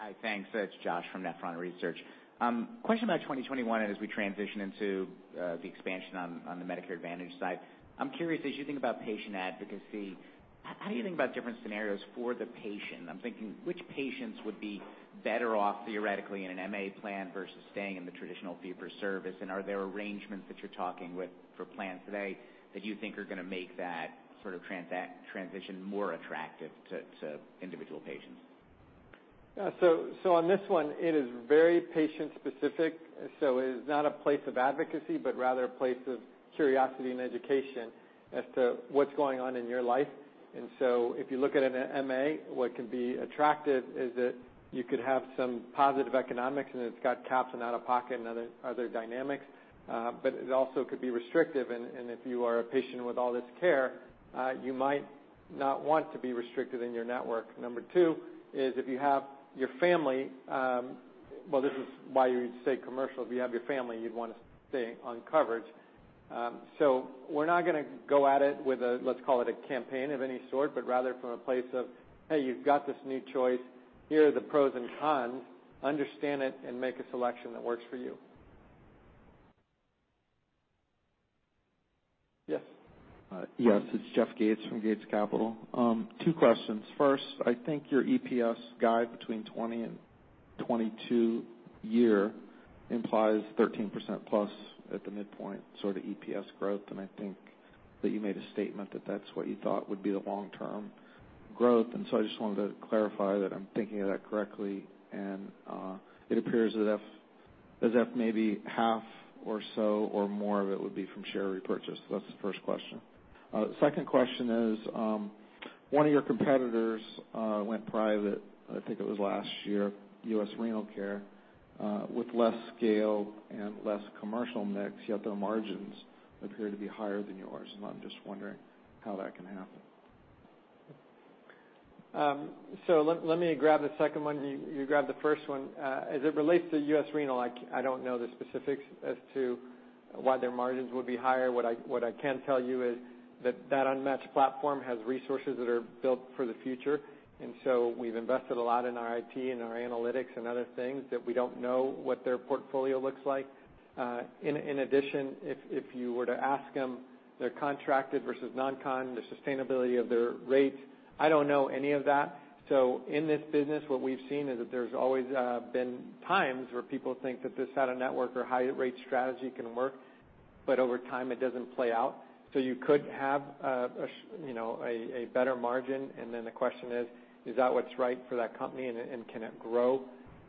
Hi, thanks. It's Josh from Nephron Research. Question about 2021 and as we transition into the expansion on the Medicare Advantage side. I'm curious, as you think about patient advocacy, how do you think about different scenarios for the patient? I'm thinking which patients would be better off theoretically in an MA plan versus staying in the traditional fee-for-service, and are there arrangements that you're talking with for plans today that you think are gonna make that sort of transition more attractive to individual patients? Yeah. On this one, it is very patient-specific. It is not a place of advocacy, but rather a place of curiosity and education as to what's going on in your life. If you look at an MA, what can be attractive is that you could have some positive economics, and it's got caps and out-of-pocket and other dynamics. It also could be restrictive and if you are a patient with all this care, you might not want to be restricted in your network. Number two is if you have your family, well, this is why you would stay commercial. If you have your family, you'd wanna stay on coverage. We're not gonna go at it with a, let's call it a campaign of any sort, but rather from a place of, "Hey, you've got this new choice. Here are the pros and cons. Understand it and make a selection that works for you." Yes. Yes, it's Jeff Gates from Gates Capital Management. Two questions. First, I think your EPS guide between 2020 and 2022 implies 13%+ at the midpoint sort of EPS growth. I think that you made a statement that that's what you thought would be the long-term growth. I just wanted to clarify that I'm thinking of that correctly. It appears as if maybe half or so or more of it would be from share repurchase. That's the first question. The second question is, one of your competitors went private, I think it was last year, U.S. Renal Care, with less scale and less commercial mix, yet their margins appear to be higher than yours. I'm just wondering how that can happen. Let me grab the second one, and you grab the first one. As it relates to U.S. Renal, I don't know the specifics as to why their margins would be higher. What I can tell you is that that unmatched platform has resources that are built for the future. We've invested a lot in our IT and our analytics and other things that we don't know what their portfolio looks like. In addition, if you were to ask them their contracted versus non-con, the sustainability of their rates, I don't know any of that. In this business, what we've seen is that there's always been times where people think that this out-of-network or higher rate strategy can work, but over time it doesn't play out. You could have, you know, a better margin, and then the question is: Is that what's right for that company and can it grow,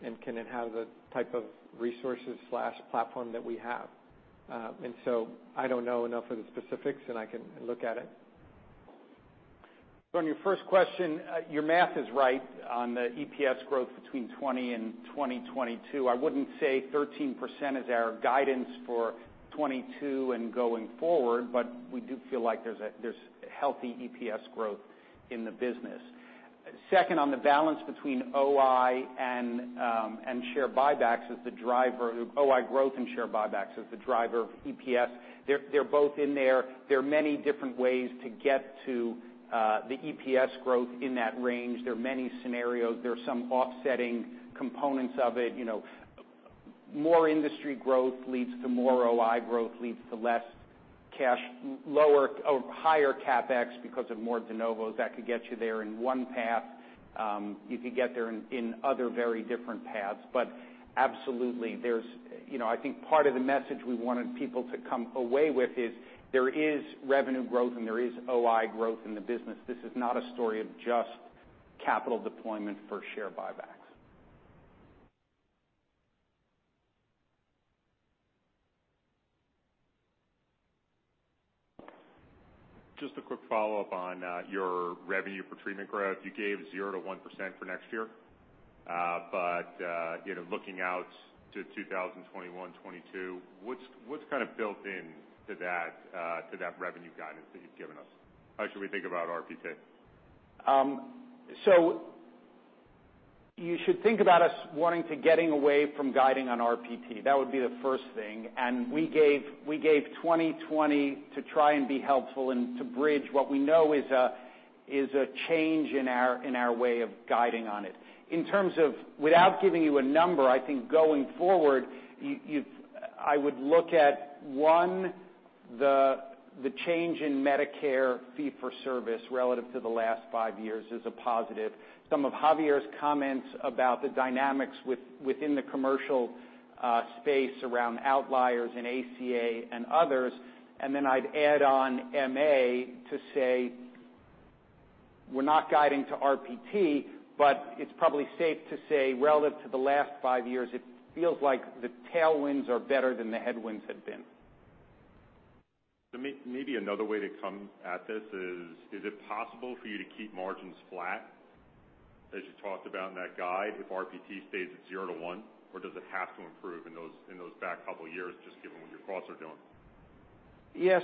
and can it have the type of resources/platform that we have? I don't know enough of the specifics, and I can look at it. On your first question, your math is right on the EPS growth between 2020 and 2022. I wouldn't say 13% is our guidance for 2022 and going forward, but we do feel like there's healthy EPS growth in the business. Second, on the balance between OI growth and share buybacks as the driver of EPS, they're both in there. There are many different ways to get to the EPS growth in that range. There are many scenarios. There are some offsetting components of it. You know, more industry growth leads to more OI growth, leads to less cash, lower or higher CapEx because of more de novos. That could get you there in one path. You could get there in other very different paths. Absolutely, there's you know, I think part of the message we wanted people to come away with is there is revenue growth and there is OI growth in the business. This is not a story of just capital deployment for share buybacks. Just a quick follow-up on your revenue per treatment growth. You gave 0% to 1% for next year. You know, looking out to 2021, 2022, what's kind of built into that to that revenue guidance that you've given us? How should we think about RPT? You should think about us wanting to getting away from guiding on RPT. That would be the first thing. We gave 2020 to try and be helpful and to bridge what we know is a, is a change in our, in our way of guiding on it. In terms of, without giving you a number, I think going forward, I would look at, one, the change in Medicare fee for service relative to the last five years is a positive. Some of Javier's comments about the dynamics within the commercial space around outliers and ACA and others, I'd add on MA to say we're not guiding to RPT, but it's probably safe to say relative to the last five years, it feels like the tailwinds are better than the headwinds had been. Maybe another way to come at this is it possible for you to keep margins flat, as you talked about in that guide, if RPT stays at 0%-1%? Or does it have to improve in those back couple years just given what your costs are doing? Yeah.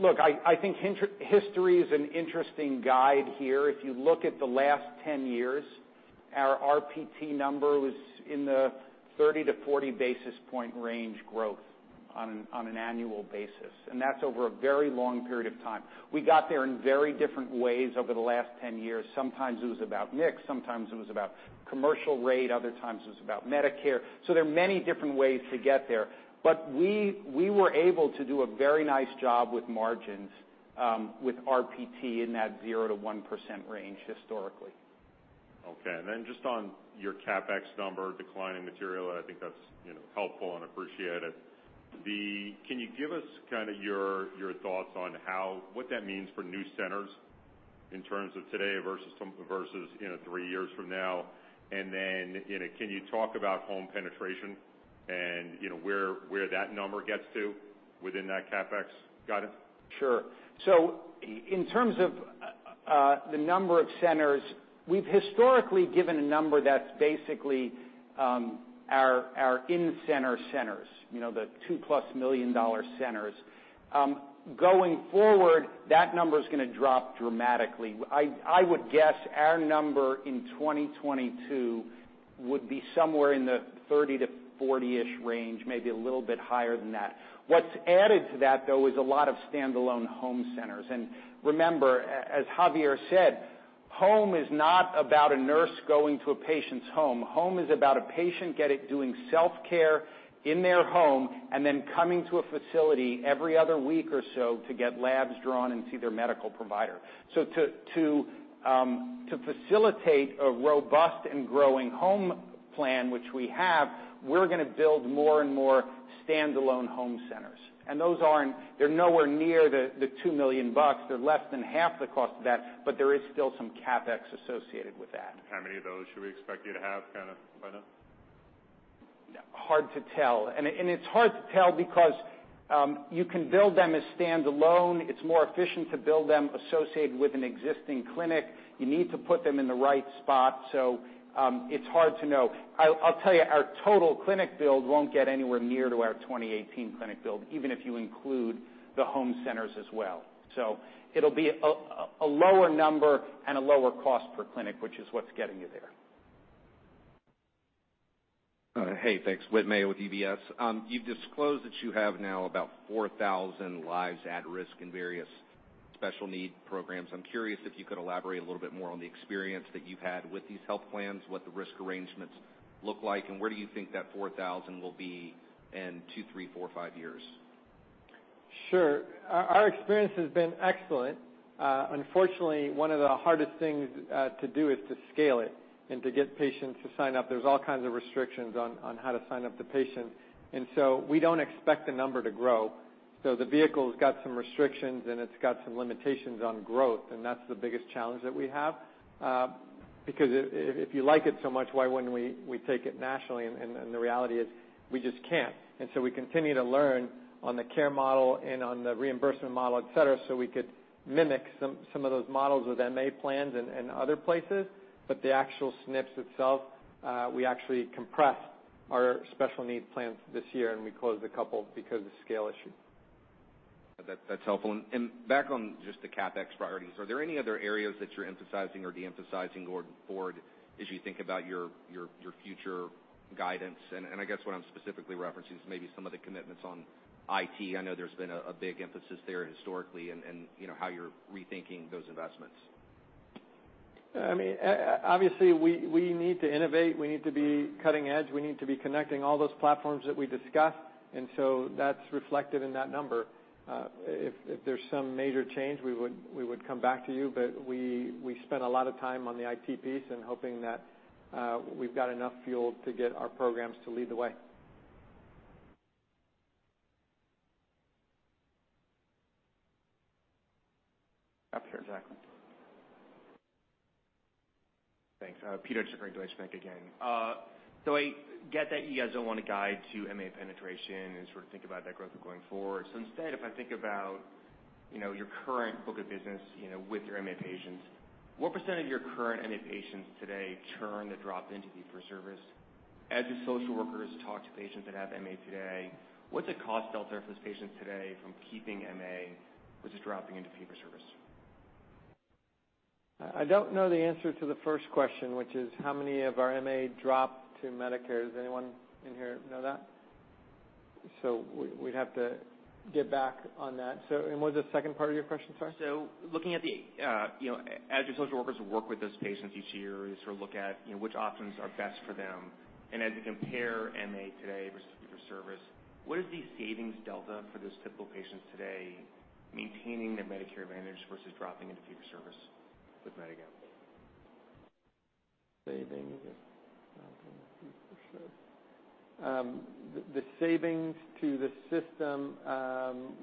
Look, I think history is an interesting guide here. If you look at the last 10 years, our RPT number was in the 30 to 40 basis point range growth on an annual basis, and that's over a very long period of time. We got there in very different ways over the last 10 years. Sometimes it was about mix, sometimes it was about commercial rate, other times it was about Medicare. There are many different ways to get there. We were able to do a very nice job with margins, with RPT in that 0%-1% range historically. Okay. Just on your CapEx number declining material, I think that's, you know, helpful and appreciated. Can you give us kind of your thoughts on what that means for new centers in terms of today versus, you know, three years from now? You know, can you talk about home penetration and, you know, where that number gets to within that CapEx guidance? Sure. In terms of the number of centers, we've historically given a number that's basically, our in-center centers, you know, the 2+ million-dollar centers. Going forward, that number's gonna drop dramatically. I would guess our number in 2022 would be somewhere in the 30 to 40-ish range, maybe a little bit higher than that. What's added to that, though, is a lot of standalone home centers. Remember, as Javier said, home is not about a nurse going to a patient's home. Home is about a patient doing self-care in their home, and then coming to a facility every other week or so to get labs drawn and see their medical provider. To facilitate a robust and growing home plan, which we have, we're gonna build more and more standalone home centers. They're nowhere near the $2 million bucks. They're less than half the cost of that, but there is still some CapEx associated with that. How many of those should we expect you to have kind of by then? Hard to tell. It's hard to tell because you can build them as standalone. It's more efficient to build them associated with an existing clinic. You need to put them in the right spot, so it's hard to know. I'll tell you, our total clinic build won't get anywhere near to our 2018 clinic build, even if you include the home centers as well. It'll be a lower number and a lower cost per clinic, which is what's getting you there. Hey, thanks. Whit Mayo with UBS. You've disclosed that you have now about 4,000 lives at risk in various special need programs. I'm curious if you could elaborate a little bit more on the experience that you've had with these health plans, what the risk arrangements look like, and where do you think that 4,000 will be in two, three, four, five years? Sure. Our experience has been excellent. Unfortunately, one of the hardest things to do is to scale it and to get patients to sign up. There's all kinds of restrictions on how to sign up the patient. We don't expect the number to grow. The vehicle's got some restrictions, and it's got some limitations on growth, and that's the biggest challenge that we have. Because if you like it so much, why wouldn't we take it nationally? The reality is we just can't. We continue to learn on the care model and on the reimbursement model, et cetera, so we could mimic some of those models with MA plans in other places. The actual SNPs itself, we actually compressed our Special Needs Plans this year, and we closed a couple because of scale issues. That's helpful. Back on just the CapEx priorities, are there any other areas that you're emphasizing or de-emphasizing going forward as you think about your future guidance? I guess what I'm specifically referencing is maybe some of the commitments on IT. I know there's been a big emphasis there historically and, you know, how you're rethinking those investments. I mean, obviously, we need to innovate. We need to be cutting edge. We need to be connecting all those platforms that we discussed. That's reflected in that number. If there's some major change, we would come back to you. We spent a lot of time on the IT piece and hoping that we've got enough fuel to get our programs to lead the way. Sure, Jacqueline. Thanks. Peter with Bank of America again. I get that you guys don't wanna guide to MA penetration and sort of think about that growth going forward. Instead, if I think about, you know, your current book of business, you know, with your MA patients, what % of your current MA patients today turn to drop into fee-for-service? As your social workers talk to patients that have MA today, what's it cost Delta for those patients today from keeping MA versus dropping into fee-for-service? I don't know the answer to the first question, which is how many of our MA drop to Medicare. Does anyone in here know that? We'd have to get back on that. And what was the second part of your question, sorry? Looking at the, you know, as your social workers work with those patients each year to sort of look at, you know, which options are best for them, and as you compare MA today versus fee-for-service, what is the savings delta for those typical patients today maintaining their Medicare Advantage versus dropping into fee-for-service with Medigap? Savings fee-for-service. The savings to the system,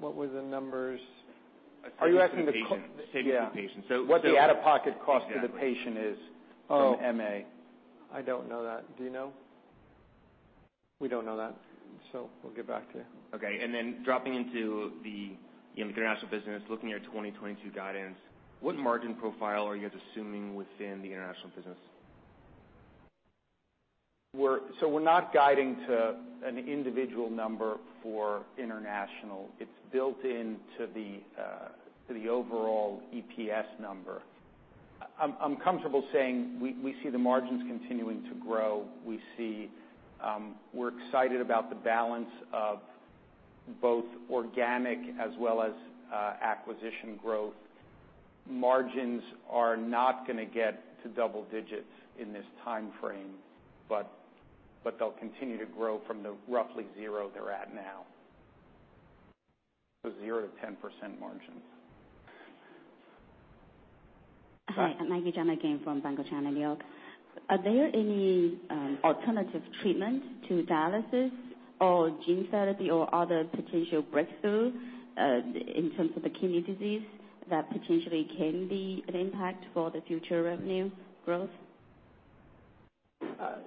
what were the numbers? Savings to the patient. Are you asking the? Savings to the patient. Yeah. So, so- What the out-of-pocket cost to the patient is from MA. I don't know that. Do you know? We don't know that, so we'll get back to you. Okay. Dropping into the, you know, international business, looking at your 2022 guidance, what margin profile are you guys assuming within the international business? We're not guiding to an individual number for international. It's built into the overall EPS number. I'm comfortable saying we see the margins continuing to grow. We see we're excited about the balance of both organic as well as acquisition growth. Margins are not going to get to double digits in this timeframe, but they'll continue to grow from the roughly 0% they're at now. 0%-10% margins. Hi. Sorry. Maggie Jiang again from Bank of China N.Y. Are there any alternative treatment to dialysis or gene therapy or other potential breakthrough in terms of the kidney disease that potentially can be an impact for the future revenue growth?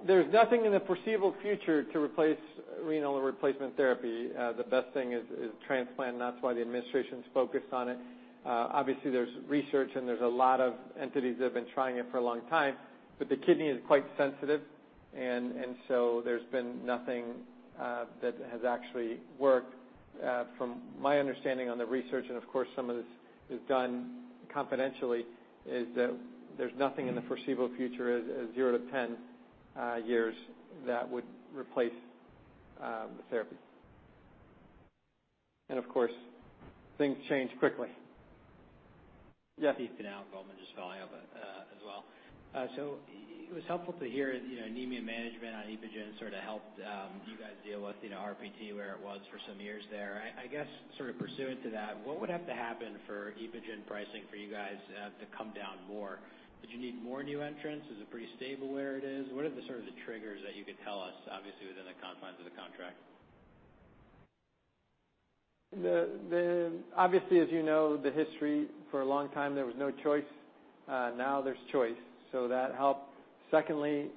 There's nothing in the foreseeable future to replace renal replacement therapy. The best thing is transplant, and that's why the administration's focused on it. Obviously, there's research, and there's a lot of entities that have been trying it for a long time, but the kidney is quite sensitive. So there's been nothing that has actually worked. From my understanding on the research, and of course, some of this is done confidentially, is that there's nothing in the foreseeable future as 0-10 years that would replace the therapy. Of course, things change quickly. Stephen Tanal, Goldman, just following up, as well. It was helpful to hear, you know, anemia management on EPOGEN sort of helped you guys deal with, you know, RPT where it was for some years there. I guess sort of pursuant to that, what would have to happen for EPOGEN pricing for you guys to come down more? Did you need more new entrants? Is it pretty stable where it is? What are the sort of the triggers that you could tell us, obviously, within the confines of the contract? The obviously, as you know, the history for a long time, there was no choice. Now there's choice, so that helped. Secondly,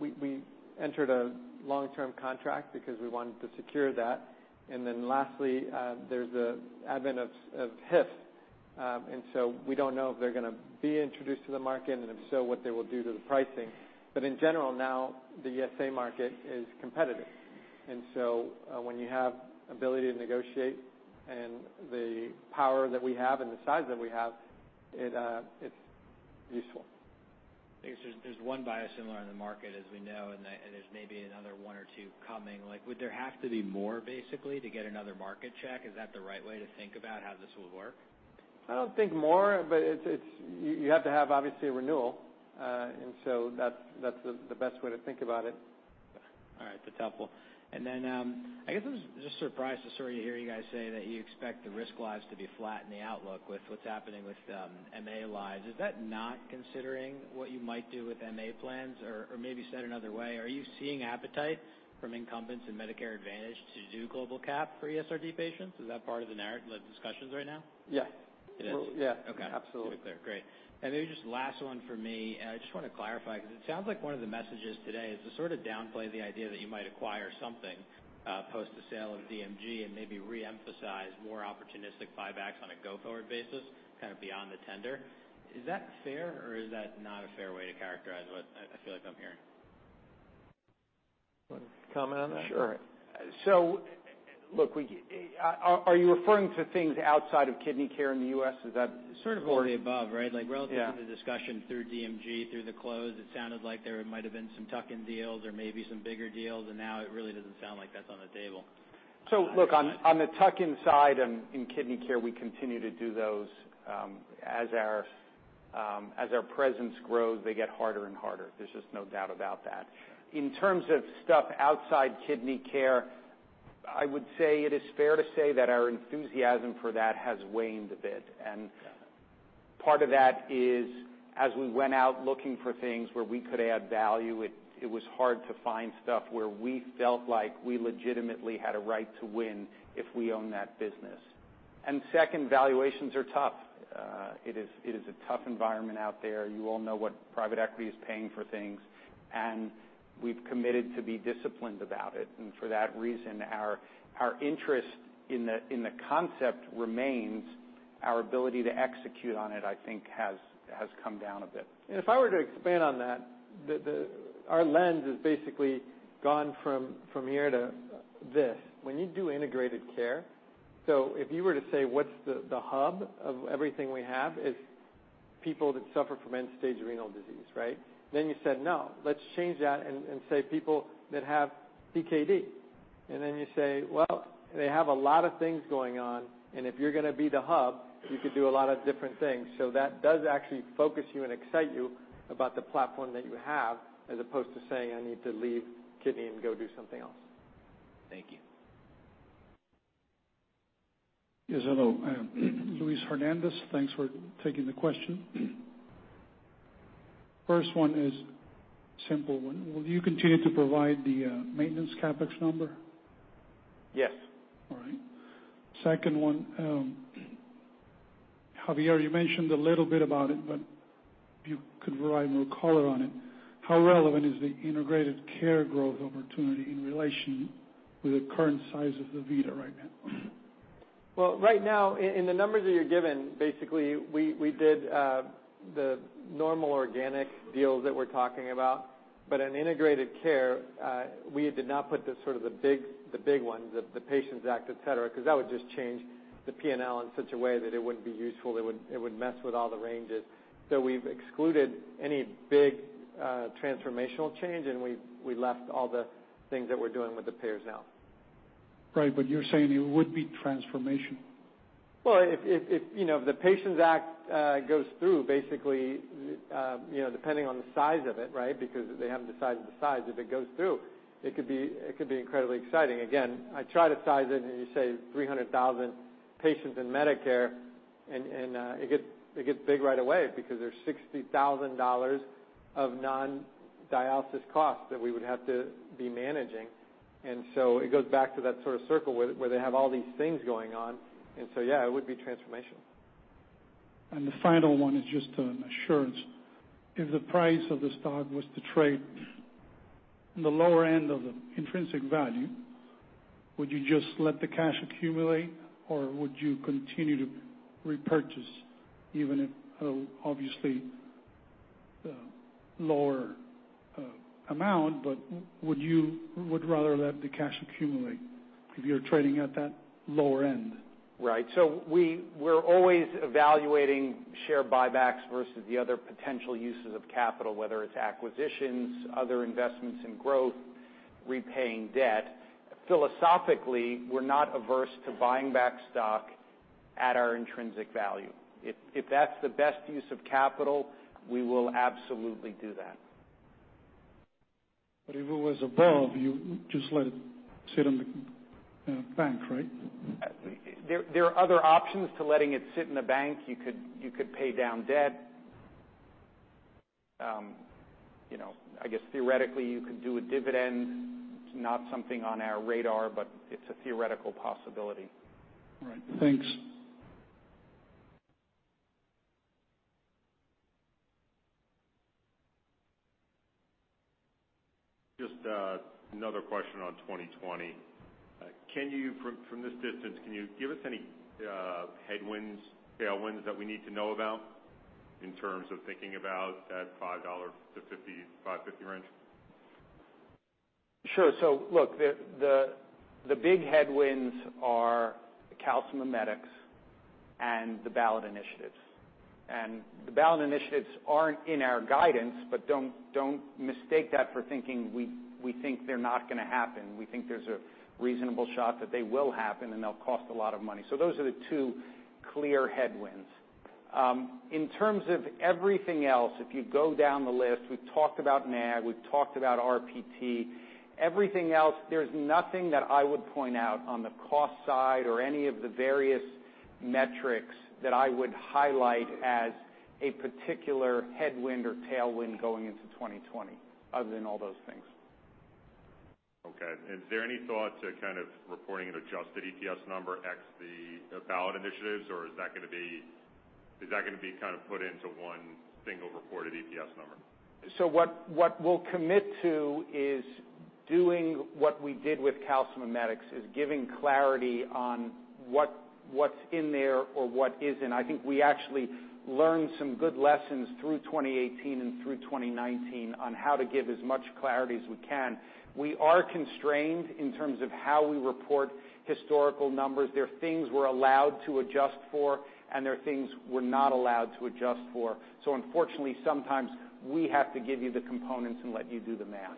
we entered a long-term contract because we wanted to secure that. Lastly, there's the advent of HIF. We don't know if they're gonna be introduced to the market and if so, what they will do to the pricing. In general, now the ESA market is competitive. When you have ability to negotiate and the power that we have and the size that we have, it's useful. I guess there's one biosimilar in the market, as we know, and there's maybe another one or two coming. Like, would there have to be more basically to get another market check? Is that the right way to think about how this will work? I don't think more, but it's, you have to have obviously a renewal. That's the best way to think about it. All right. That's helpful. I guess I was just surprised to sort of hear you guys say that you expect the risk lives to be flat in the outlook with what's happening with MA lives. Is that not considering what you might do with MA plans? Maybe said another way, are you seeing appetite from incumbents in Medicare Advantage to do global cap for ESRD patients? Is that part of the discussions right now? Yeah. It is. Yeah. Okay. Absolutely. Super clear. Great. Maybe just last one for me, and I just wanna clarify, because it sounds like one of the messages today is to sort of downplay the idea that you might acquire something, post the sale of DMG and maybe reemphasize more opportunistic buybacks on a go-forward basis, kind of beyond the tender. Is that fair or is that not a fair way to characterize what I feel like I'm hearing? Wanna comment on that? Sure. Look, Are you referring to things outside of kidney care in the U.S.? Is that? Sort of all of the above, right? Like- Yeah ..to the discussion through DMG, through the close, it sounded like there might've been some tuck-in deals or maybe some bigger deals. Now it really doesn't sound like that's on the table. On the tuck-in side in kidney care, we continue to do those. As our presence grows, they get harder and harder. There's just no doubt about that. In terms of stuff outside kidney care, I would say it is fair to say that our enthusiasm for that has waned a bit. Part of that is as we went out looking for things where we could add value, it was hard to find stuff where we felt like we legitimately had a right to win if we own that business. Second, valuations are tough. It is a tough environment out there. You all know what private equity is paying for things, and we've committed to be disciplined about it. For that reason, our interest in the concept remains. Our ability to execute on it, I think, has come down a bit. If I were to expand on that, the our lens has basically gone from here to this. When you do integrated care, if you were to say what's the hub of everything we have is people that suffer from end-stage renal disease, right? You said, "No, let's change that," and say people that have DKD. Then you say, "Well, they have a lot of things going on, and if you're gonna be the hub, you could do a lot of different things." That does actually focus you and excite you about the platform that you have as opposed to saying, "I need to leave kidney and go do something else. Thank you. Yes, hello. Luis Hernandez. Thanks for taking the question. First one is simple one. Will you continue to provide the maintenance CapEx number? Yes. Second one, Javier, you mentioned a little bit about it, but if you could provide more color on it. How relevant is the integrated care growth opportunity in relation with the current size of DaVita right now? Well, right now, in the numbers that you're given, basically we did the normal organic deals that we're talking about. In integrated care, we did not put the sort of the big, the big ones, the PATIENTS Act, et cetera, because that would just change the P&L in such a way that it wouldn't be useful. It would mess with all the ranges. We've excluded any big transformational change, and we left all the things that we're doing with the payers now. Right. You're saying it would be transformational? Well, if, you know, if the PATIENTS Act goes through basically, you know, depending on the size of it, right? Because they haven't decided the size. If it goes through, it could be incredibly exciting. Again, I try to size it, and you say 300,000 patients in Medicare and it gets big right away because there's $60,000 of non-dialysis costs that we would have to be managing. It goes back to that sort of circle where they have all these things going on. Yeah, it would be transformational. The final one is just an assurance. If the price of the stock was to trade in the lower end of the intrinsic value, would you just let the cash accumulate, or would you continue to repurchase even if, obviously, the lower amount, but would you rather let the cash accumulate if you're trading at that lower end? Right. We're always evaluating share buybacks versus the other potential uses of capital, whether it's acquisitions, other investments in growth, repaying debt. Philosophically, we're not averse to buying back stock at our intrinsic value. If that's the best use of capital, we will absolutely do that. If it was above, you just let it sit in the bank, right? There are other options to letting it sit in the bank. You could pay down debt. You know, I guess theoretically, you could do a dividend. It's not something on our radar, but it's a theoretical possibility. All right. Thanks. Just, another question on 2020. Can you, from this distance, can you give us any headwinds, tailwinds that we need to know about in terms of thinking about that $5 to $5.50 range? Sure. Look, the big headwinds are the calcimimetics and the ballot initiatives. The ballot initiatives aren't in our guidance, but don't mistake that for thinking we think they're not gonna happen. We think there's a reasonable shot that they will happen, and they'll cost a lot of money. Those are the two clear headwinds. In terms of everything else, if you go down the list, we've talked about NAG, we've talked about RPT. Everything else, there's nothing that I would point out on the cost side or any of the various metrics that I would highlight as a particular headwind or tailwind going into 2020, other than all those things. Okay. Is there any thought to kind of reporting an adjusted EPS number ex the ballot initiatives, or is that gonna be kind of put into one single reported EPS number? What we'll commit to is doing what we did with calcimimetics, is giving clarity on what's in there or what isn't. I think we actually learned some good lessons through 2018 and through 2019 on how to give as much clarity as we can. We are constrained in terms of how we report historical numbers. There are things we're allowed to adjust for, and there are things we're not allowed to adjust for. Unfortunately, sometimes we have to give you the components and let you do the math.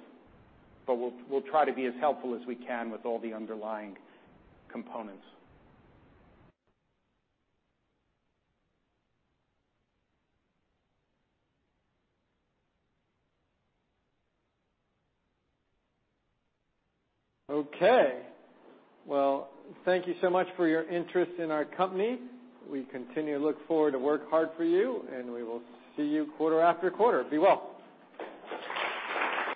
We'll try to be as helpful as we can with all the underlying components. Okay. Thank you so much for your interest in our company. We continue to look forward to work hard for you, and we will see you quarter after quarter. Be well.